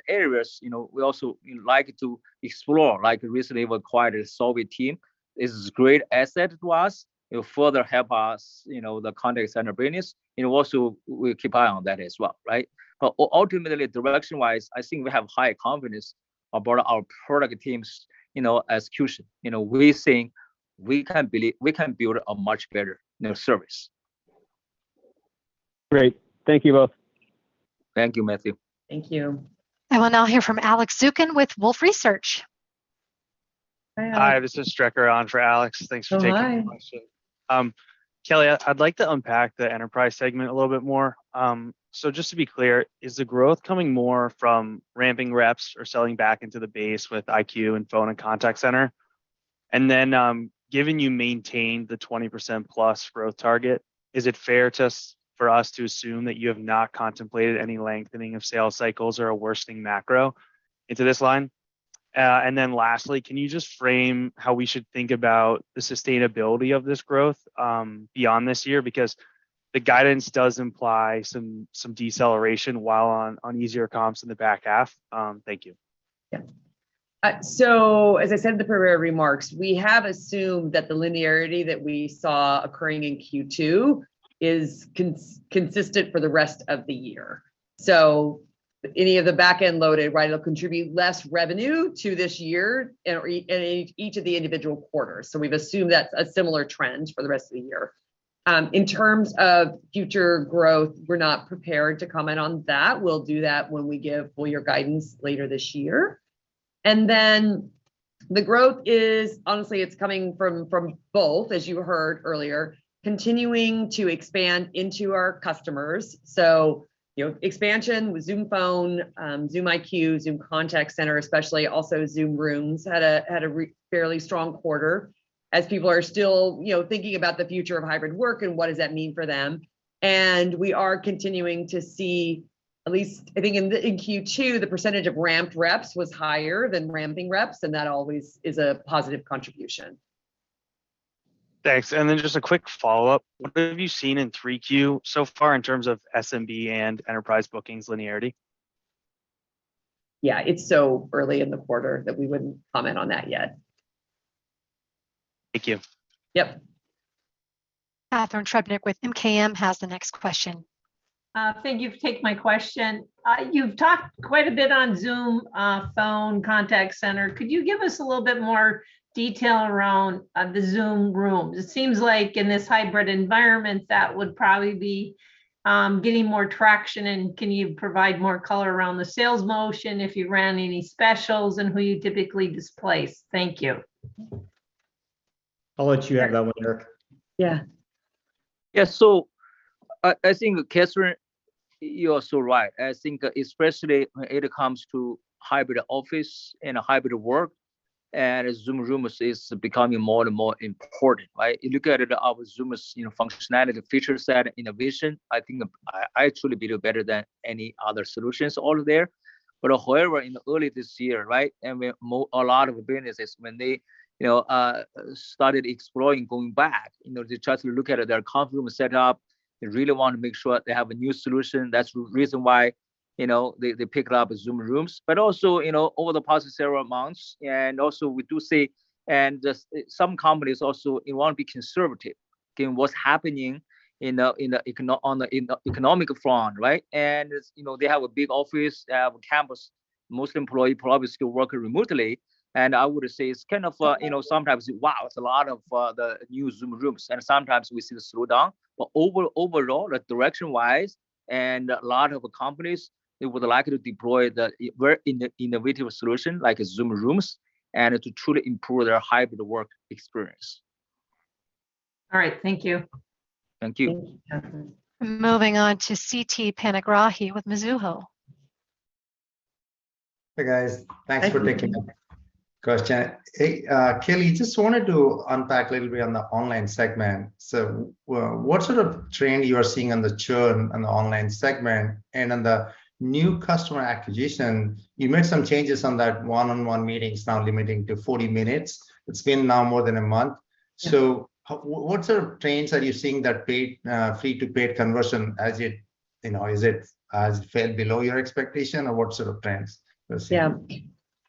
areas, you know, we also like to explore. Like, recently we acquired a Solvvy team. This is a great asset to us. It will further help us, you know, the contact center business, and also we'll keep an eye on that as well, right? Ultimately, direction-wise, I think we have high confidence about our product teams', you know, execution. You know, we think we can build a much better, you know, service. Great. Thank you both. Thank you, Matthew. Thank you. I will now hear from Alex Zukin with Wolfe Research. Hi, Alex. Hi, this is Strecker on for Alex. Thanks for taking Oh, hi. My question. Kelly, I'd like to unpack the enterprise segment a little bit more. So just to be clear, is the growth coming more from ramping reps or selling back into the base with IQ and phone and contact center? Then, given you maintained the 20%+ growth target, is it fair for us to assume that you have not contemplated any lengthening of sales cycles or a worsening macro into this line? Lastly, can you just frame how we should think about the sustainability of this growth, beyond this year? Because the guidance does imply some deceleration while on easier comps in the back half. Thank you. Yeah. So as I said in the prepared remarks, we have assumed that the linearity that we saw occurring in Q2 is consistent for the rest of the year. So any of the back-end loaded, right, it'll contribute less revenue to this year and in each of the individual quarters. So we've assumed that's a similar trend for the rest of the year. In terms of future growth, we're not prepared to comment on that. We'll do that when we give full-year guidance later this year. The growth is honestly, it's coming from both, as you heard earlier, continuing to expand into our customers. You know, expansion with Zoom Phone, Zoom IQ, Zoom Contact Center especially, also Zoom Rooms had a fairly strong quarter as people are still, you know, thinking about the future of hybrid work and what does that mean for them. We are continuing to see at least I think in Q2, the percentage of ramped reps was higher than ramping reps, and that always is a positive contribution. Thanks. Just a quick follow-up. What have you seen in 3Q so far in terms of SMB and enterprise bookings linearity? Yeah. It's so early in the quarter that we wouldn't comment on that yet. Thank you. Yep. Catharine Trebnick with MKM has the next question. Thank you for taking my question. You've talked quite a bit on Zoom Phone Contact Center. Could you give us a little bit more detail around the Zoom Rooms? It seems like in this hybrid environment, that would probably be getting more traction. Can you provide more color around the sales motion if you ran any specials and who you typically displace? Thank you. I'll let you have that one, Eric. Yeah. Yeah. I think, Catharine, you are so right. I think especially when it comes to hybrid office and hybrid work and Zoom Rooms is becoming more and more important, right? You look at our Zoom's functionality feature set innovation. I think I actually a little better than any other solutions out there. But however, earlier this year, right, and more, a lot of businesses, when they, you know, started exploring going back, you know, they tried to look at their conference room setup. They really want to make sure they have a new solution. That's the reason why, you know, they picked up Zoom Rooms. But also, you know, over the past several months, and also we do see, and just some companies, they won't be conservative in what's happening on the economic front, right? You know, they have a big office, they have a campus. Most employees probably still working remotely. I would say it's kind of, you know, sometimes, wow, it's a lot of the new Zoom Rooms, and sometimes we see the slowdown. Overall, direction-wise, a lot of companies, they would like to deploy the very innovative solution like Zoom Rooms and to truly improve their hybrid work experience. All right. Thank you. Thank you. Thank you, Catharine. Moving on to Siti Panigrahi with Mizuho. Hey, guys. Thank you. Thanks for taking my question. Hey, Kelly, just wanted to unpack a little bit on the online segment. What sort of trend you are seeing on the churn on the online segment? On the new customer acquisition, you made some changes on that one-on-one meetings now limiting to 40 minutes. It's been now more than a month. Yeah. What sort of trends are you seeing that paid free to paid conversion? Has it, you know, fell below your expectation? Or what sort of trends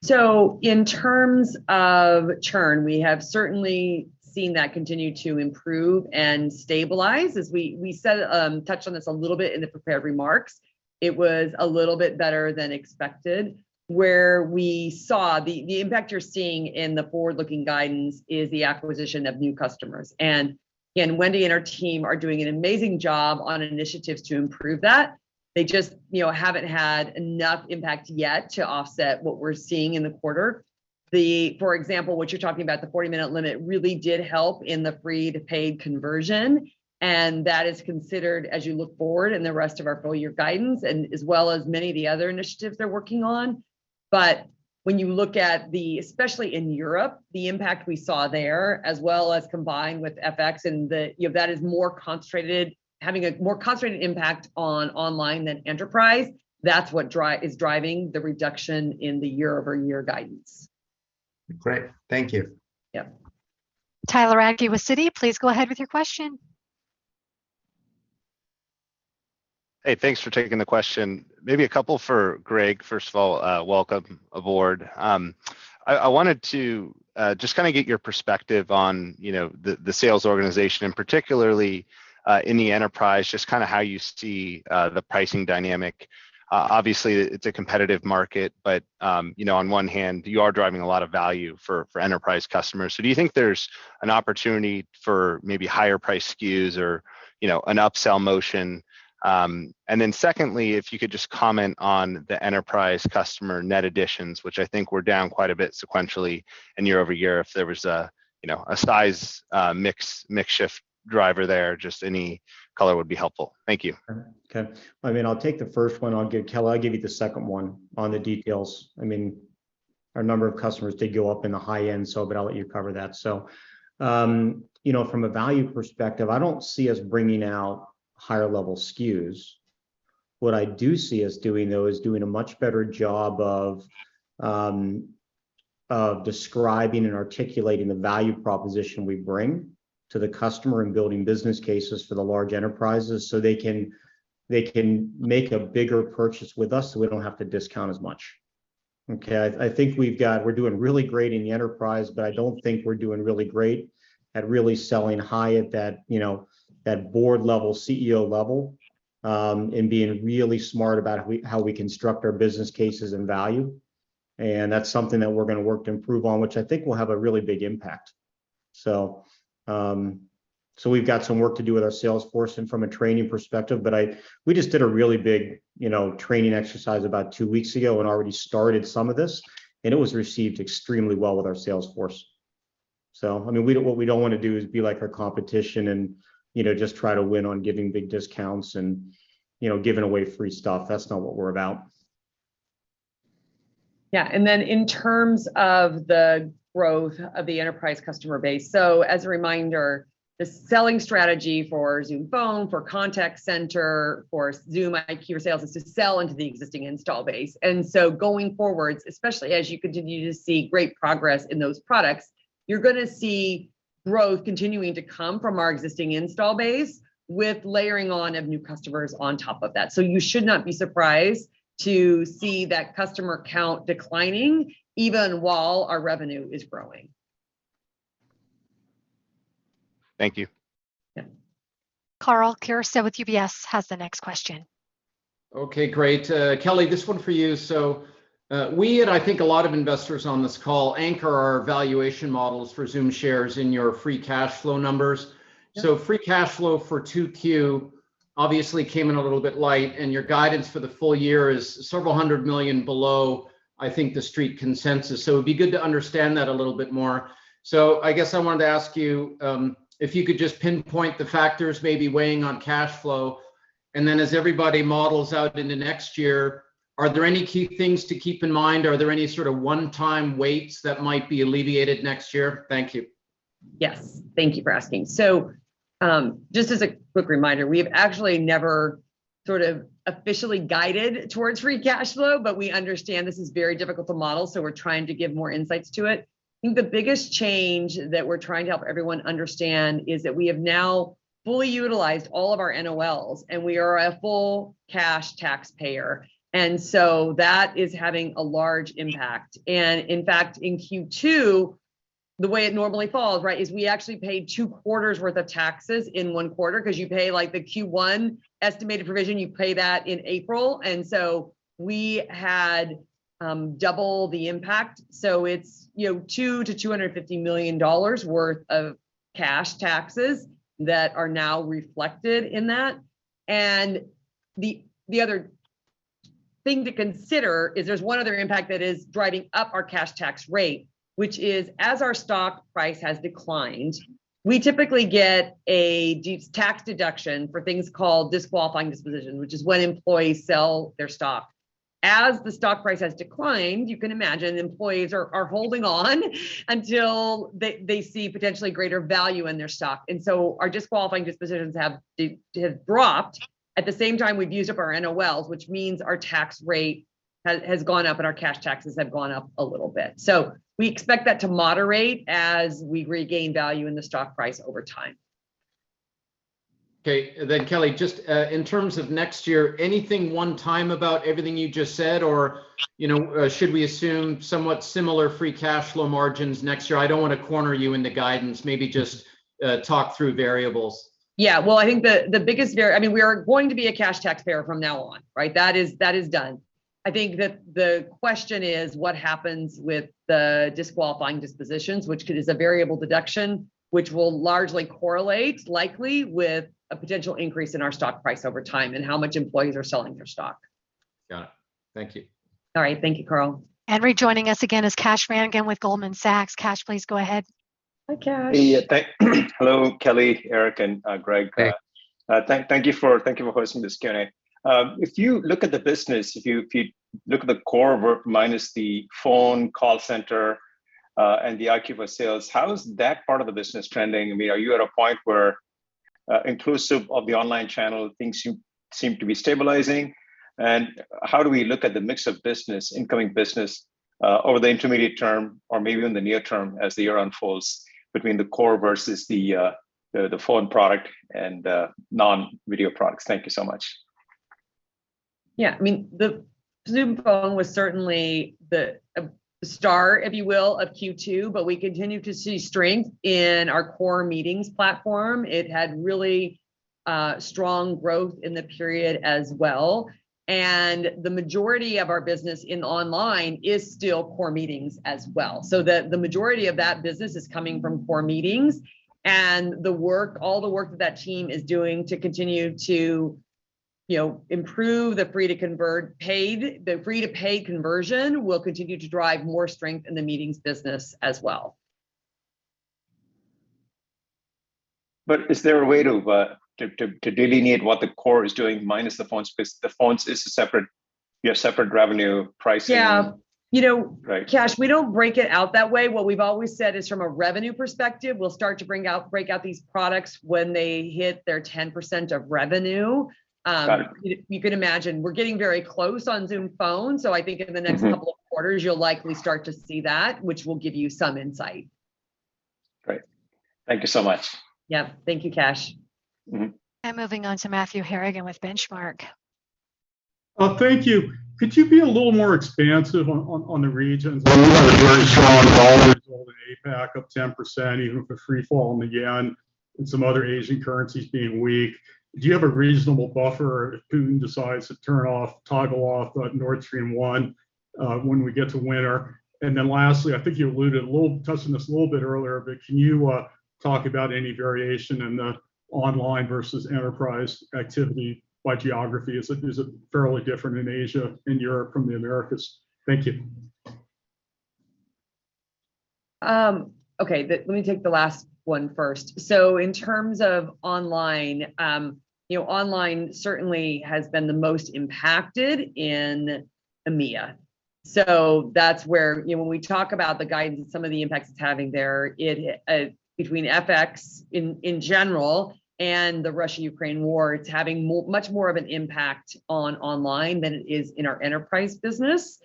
you're seeing? Yeah. In terms of churn, we have certainly seen that continue to improve and stabilize. As we said, touched on this a little bit in the prepared remarks, it was a little bit better than expected. Where we saw the impact you're seeing in the forward-looking guidance is the acquisition of new customers. Again, Wendy and her team are doing an amazing job on initiatives to improve that. They just, you know, haven't had enough impact yet to offset what we're seeing in the quarter. For example, what you're talking about, the 40-minute limit really did help in the free to paid conversion, and that is considered as you look forward in the rest of our full-year guidance and as well as many of the other initiatives they're working on. When you look at the, especially in Europe, the impact we saw there, as well as combined with FX and the, you know, that is more concentrated, having a more concentrated impact on online than enterprise, that's what is driving the reduction in the year-over-year guidance. Great. Thank you. Yep. Tyler Radke with Citi, please go ahead with your question. Hey, thanks for taking the question. Maybe a couple for Greg. First of all, welcome aboard. I wanted to just kinda get your perspective on, you know, the sales organization and particularly, in the enterprise, just kinda how you see, the pricing dynamic. Obviously it's a competitive market, but, you know, on one hand you are driving a lot of value for enterprise customers. Do you think there's an opportunity for maybe higher priced SKUs or, you know, an upsell motion? Then secondly, if you could just comment on the enterprise customer net additions, which I think were down quite a bit sequentially and year-over-year, if there was a size mix shift driver there, just any color would be helpful. Thank you. Okay. I mean, I'll take the first one. I'll give Kelly, I'll give you the second one on the details. I mean, our number of customers did go up in the high end, so, but I'll let you cover that. You know, from a value perspective, I don't see us bringing out higher level SKUs. What I do see us doing though is doing a much better job of describing and articulating the value proposition we bring to the customer and building business cases for the large enterprises so they can make a bigger purchase with us so we don't have to discount as much. Okay? I think we've got, we're doing really great in the enterprise, but I don't think we're doing really great at really selling high at that, you know, that board level, CEO level, and being really smart about how we construct our business cases and value, and that's something that we're gonna work to improve on, which I think will have a really big impact. We've got some work to do with our sales force and from a training perspective, but we just did a really big, you know, training exercise about two weeks ago and already started some of this, and it was received extremely well with our sales force. I mean, what we don't wanna do is be like our competition and, you know, just try to win on giving big discounts and, you know, giving away free stuff. That's not what we're about. Yeah, in terms of the growth of the enterprise customer base, so as a reminder, the selling strategy for Zoom Phone, for Zoom Contact Center, for Zoom IQ for Sales, is to sell into the existing installed base. Going forward, especially as you continue to see great progress in those products, you're gonna see growth continuing to come from our existing installed base with layering on of new customers on top of that. You should not be surprised to see that customer count declining even while our revenue is growing. Thank you. Yeah. Karl Keirstead with UBS has the next question. Okay, great. Kelly, this one for you. We, and I think a lot of investors on this call, anchor our valuation models for Zoom shares in your free cash flow numbers. Yeah. Free cash flow for 2Q obviously came in a little bit light, and your guidance for the full-year is $several hundred million below, I think, the Street consensus. It'd be good to understand that a little bit more. I guess I wanted to ask you, if you could just pinpoint the factors maybe weighing on cash flow, and then as everybody models out into next year, are there any key things to keep in mind? Are there any sort of one-time weights that might be alleviated next year? Thank you. Yes. Thank you for asking. Just as a quick reminder, we have actually never sort of officially guided towards free cash flow, but we understand this is very difficult to model, so we're trying to give more insights to it. I think the biggest change that we're trying to help everyone understand is that we have now fully utilized all of our NOLs, and we are a full cash taxpayer. That is having a large impact. In fact, in Q2, the way it normally falls, right, is we actually paid two quarters worth of taxes in one quarter, 'cause you pay like the Q1 estimated provision, you pay that in April. We had double the impact. It's, you know, $200 million-$250 million worth of cash taxes that are now reflected in that. The other thing to consider is there's one other impact that is driving up our cash tax rate, which is as our stock price has declined, we typically get a tax deduction for things called disqualifying disposition, which is when employees sell their stock. As the stock price has declined, you can imagine employees are holding on until they see potentially greater value in their stock. Our disqualifying dispositions have dropped. At the same time, we've used up our NOLs, which means our tax rate has gone up and our cash taxes have gone up a little bit. We expect that to moderate as we regain value in the stock price over time. Okay. Kelly, just, in terms of next year, anything one time about everything you just said, or, you know, should we assume somewhat similar free cash flow margins next year? I don't wanna corner you into guidance, maybe just, talk through variables. Yeah. Well, I think I mean, we are going to be a cash taxpayer from now on, right? That is done. I think that the question is what happens with the disqualifying dispositions, which is a variable deduction, which will largely correlate likely with a potential increase in our stock price over time and how much employees are selling their stock. Got it. Thank you. All right. Thank you, Karl. Rejoining us again is Kash Rangan with Goldman Sachs. Kash, please go ahead. Hi, Kash Hey, hello Kelly, Eric, and Greg. Hey. Thank you for hosting this Q&A. If you look at the business, if you look at the core work minus the Phone Contact Center, and the IQ for Sales, how is that part of the business trending? I mean, are you at a point where, inclusive of the online channel, things seem to be stabilizing? How do we look at the mix of business, incoming business, over the intermediate term or maybe in the near term as the year unfolds between the core versus the phone product and non-video products? Thank you so much. Yeah, I mean, the Zoom Phone was certainly the star, if you will, of Q2, but we continue to see strength in our core meetings platform. It had really strong growth in the period as well. The majority of our business in online is still core meetings as well. The majority of that business is coming from core meetings, and all the work that that team is doing to continue to, you know, improve the free to paid conversion will continue to drive more strength in the meetings business as well. Is there a way to delineate what the core is doing minus the phones? Because the phones is a separate, you have separate revenue pricing. Yeah. You know. Right Kash, we don't break it out that way. What we've always said is from a revenue perspective, we'll start to break out these products when they hit their 10% of revenue. Got it. You could imagine, we're getting very close on Zoom Phone, so I think in the next Mm-hmm Couple of quarters, you'll likely start to see that, which will give you some insight. Great. Thank you so much. Yeah. Thank you, Kash. Mm-hmm. Moving on to Matthew Harrigan with Benchmark. Thank you. Could you be a little more expansive on the regions? You had a very strong dollar, all the APAC up 10%, even with the free fall in the yen and some other Asian currencies being weak. Do you have a reasonable buffer if Putin decides to turn off, toggle off, Nord Stream 1, when we get to winter? Lastly, I think you alluded a little, touched on this a little bit earlier, but can you talk about any variation in the online versus enterprise activity by geography? Is it fairly different in Asia and Europe from the Americas? Thank you. Let me take the last one first. In terms of online, you know, online certainly has been the most impacted in EMEA. That's where, you know, when we talk about the guidance and some of the impacts it's having there between FX in general and the Russia-Ukraine war, it's having much more of an impact on online than it is in our enterprise business.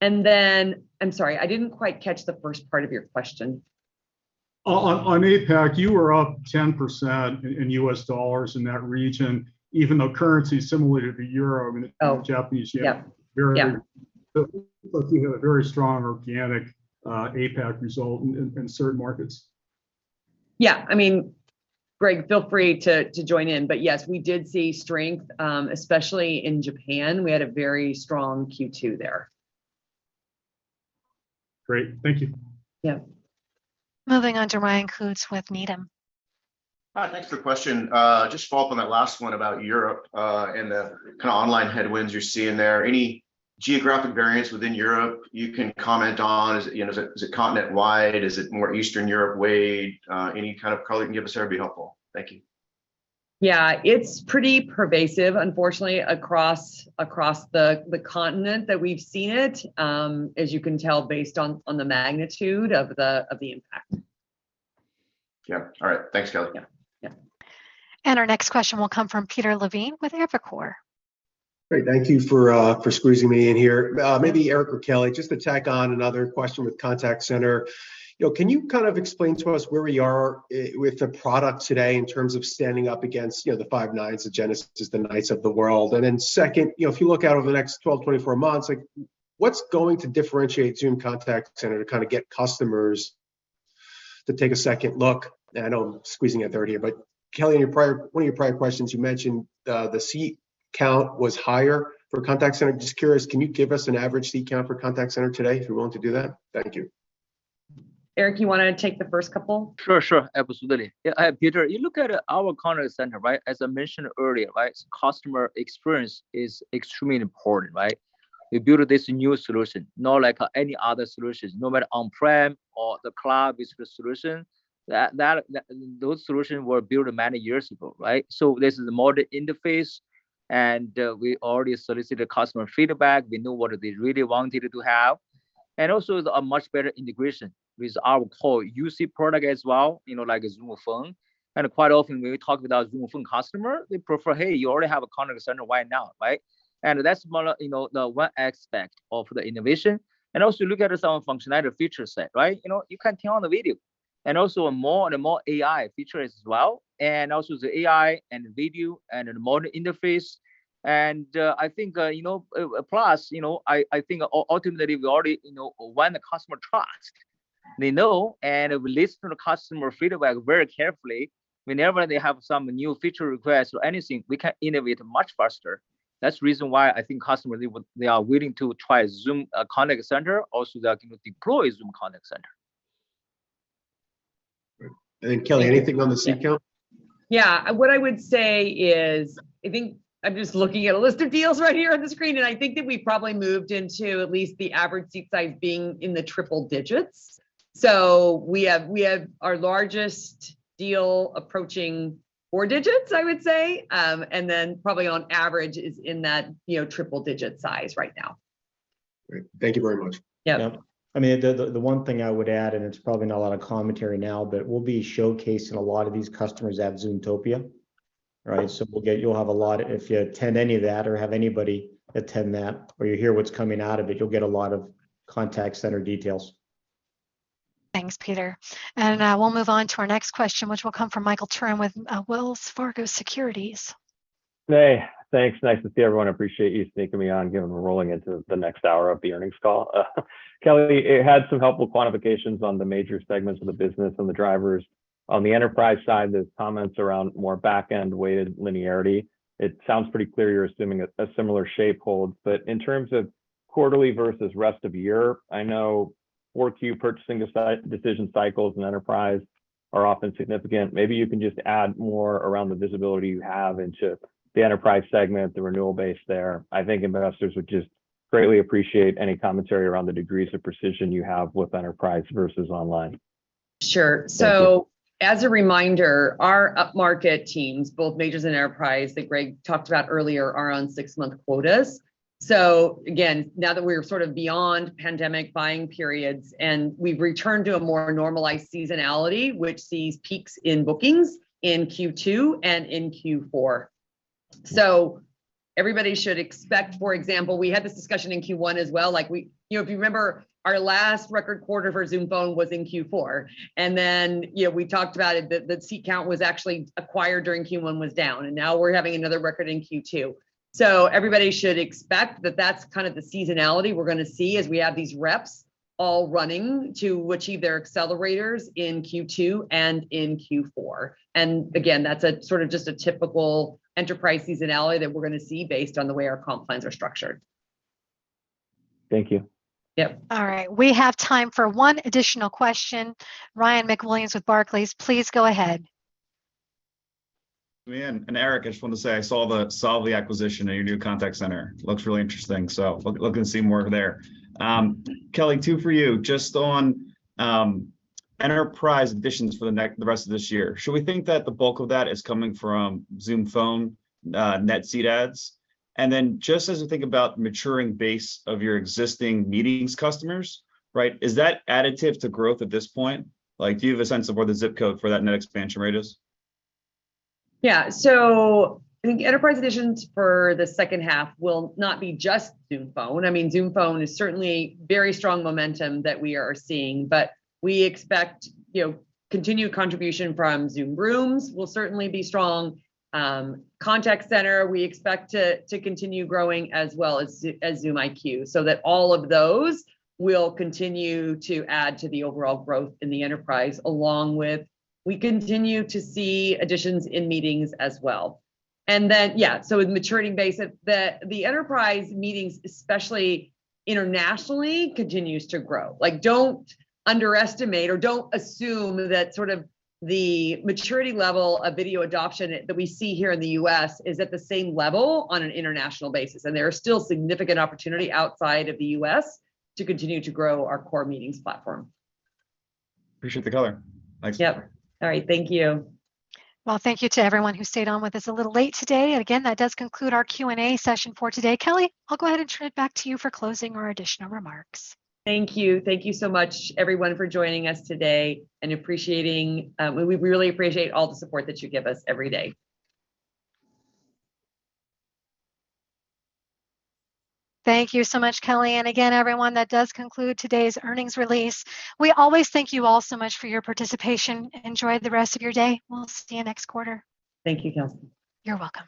Then, I'm sorry, I didn't quite catch the first part of your question. On APAC, you were up 10% in US dollars in that region, even though currency similar to the euro and Oh Japanese yen. Yeah. Yeah. Looks like you had a very strong organic APAC result in certain markets. Yeah, I mean, Greg, feel free to join in, but yes, we did see strength, especially in Japan. We had a very strong Q2 there. Great. Thank you. Yeah. Moving on to Ryan Koontz with Needham. Hi, thanks for the question. Just to follow up on that last one about Europe, and the kinda online headwinds you're seeing there, any geographic variance within Europe you can comment on? Is it, you know, continent-wide? Is it more Eastern Europe weighted? Any kind of color you can give us there would be helpful. Thank you. Yeah. It's pretty pervasive, unfortunately, across the continent that we've seen it, as you can tell based on the magnitude of the impact. Yeah. All right. Thanks, Kelly. Yeah. Yeah. Our next question will come from Peter Levine with Evercore. Great. Thank you for squeezing me in here. Maybe Eric or Kelly, just to tack on another question with contact center, you know, can you kind of explain to us where we are with the product today in terms of standing up against, you know, the Five9, the Genesys, the NICE of the world? Then second, you know, if you look out over the next 12, 24 months, like, what's going to differentiate Zoom Contact Center to kind of get customers to take a second look? I know I'm squeezing a third here, but Kelly, in your prior, one of your prior questions, you mentioned the seat count was higher for contact center. Just curious, can you give us an average seat count for contact center today, if you're willing to do that? Thank you. Eric, you wanna take the first couple? Sure. Absolutely. Yeah, Peter, you look at our contact center, right? As I mentioned earlier, right? Customer experience is extremely important, right? We built this new solution, not like any other solutions, no matter on-prem or the cloud-based solution. Those solutions were built many years ago, right? This is a modern interface, and we already solicited customer feedback. We know what they really wanted to have. Also a much better integration with our core UC product as well, you know, like Zoom Phone. Quite often when we talk with our Zoom Phone customer, they prefer, "Hey, you already have a contact center. Why not?" Right? That's more, you know, the one aspect of the innovation. Also look at some functionality feature set, right? You know, you can turn on the video. also more and more AI features as well, and also the AI and video and the modern interface. I think, you know, plus, you know, I think ultimately we already, you know, when the customer trusts, they know, and we listen to the customer feedback very carefully. Whenever they have some new feature requests or anything, we can innovate much faster. That's the reason why I think customers, they would, they are willing to try Zoom Contact Center, also they are going to deploy Zoom Contact Center. Great. Kelly, anything on the seat count? Yeah, what I would say is, I think I'm just looking at a list of deals right here on the screen, and I think that we probably moved into at least the average seat size being in the triple digits. We have our largest deal approaching four digits, I would say, and then probably on average is in that, you know, triple digit size right now. Great. Thank you very much. Yeah. Yeah. I mean, the one thing I would add, and it's probably not a lot of commentary now, but we'll be showcasing a lot of these customers at Zoomtopia, right? So we'll get. You'll have a lot if you attend any of that or have anybody attend that or you hear what's coming out of it, you'll get a lot of contact center details. Thanks, Peter. Now we'll move on to our next question, which will come from Michael Turrin with Wells Fargo Securities. Hey, thanks. Nice to see everyone. Appreciate you sneaking me on given we're rolling into the next hour of the earnings call. Kelly, it had some helpful quantifications on the major segments of the business and the drivers. On the enterprise side, the comments around more backend weighted linearity, it sounds pretty clear you're assuming a similar shape hold. In terms of quarterly versus rest of year, I know 4Q purchasing decision cycles and enterprise are often significant. Maybe you can just add more around the visibility you have into the enterprise segment, the renewal base there. I think investors would just greatly appreciate any commentary around the degrees of precision you have with enterprise versus online. Sure. Thank you. As a reminder, our upmarket teams, both majors and enterprise that Greg talked about earlier, are on six-month quotas. Again, now that we're sort of beyond pandemic buying periods, and we've returned to a more normalized seasonality, which sees peaks in bookings in Q2 and in Q4. Everybody should expect, for example, we had this discussion in Q1 as well. You know, if you remember, our last record quarter for Zoom Phone was in Q4, and then, you know, we talked about it, the seat count was actually acquired during Q1 was down, and now we're having another record in Q2. Everybody should expect that that's kind of the seasonality we're gonna see as we have these reps all running to achieve their accelerators in Q2 and in Q4. Again, that's a sort of just a typical enterprise seasonality that we're gonna see based on the way our comp plans are structured. Thank you. Yep. All right. We have time for one additional question. Ryan MacWilliams with Barclays, please go ahead. Ryan and Eric, I just wanted to say I saw the Solvvy acquisition at your new contact center. Looks really interesting, looking to see more there. Kelly, two for you. Just on enterprise additions for the rest of this year, should we think that the bulk of that is coming from Zoom Phone net seat adds? Just as we think about maturing base of your existing meetings customers, right, is that additive to growth at this point? Like, do you have a sense of where the zip code for that net expansion rate is? Yeah. I think enterprise additions for the second half will not be just Zoom Phone. I mean, Zoom Phone is certainly very strong momentum that we are seeing, but we expect, you know, continued contribution from Zoom Rooms will certainly be strong. Contact center, we expect to continue growing, as well as Zoom IQ. That all of those will continue to add to the overall growth in the enterprise along with we continue to see additions in meetings as well. With maturity base, the enterprise meetings, especially internationally, continues to grow. Like, don't underestimate or don't assume that sort of the maturity level of video adoption that we see here in the U.S. is at the same level on an international basis, and there are still significant opportunity outside of the U.S. to continue to grow our core meetings platform. Appreciate the color. Thanks. Yep. All right. Thank you. Well, thank you to everyone who stayed on with us a little late today. Again, that does conclude our Q&A session for today. Kelly, I'll go ahead and turn it back to you for closing or additional remarks. Thank you. Thank you so much, everyone, for joining us today. We really appreciate all the support that you give us every day. Thank you so much, Kelly. Again, everyone, that does conclude today's earnings release. We always thank you all so much for your participation. Enjoy the rest of your day. We'll see you next quarter. Thank you, Kelsey. You're welcome.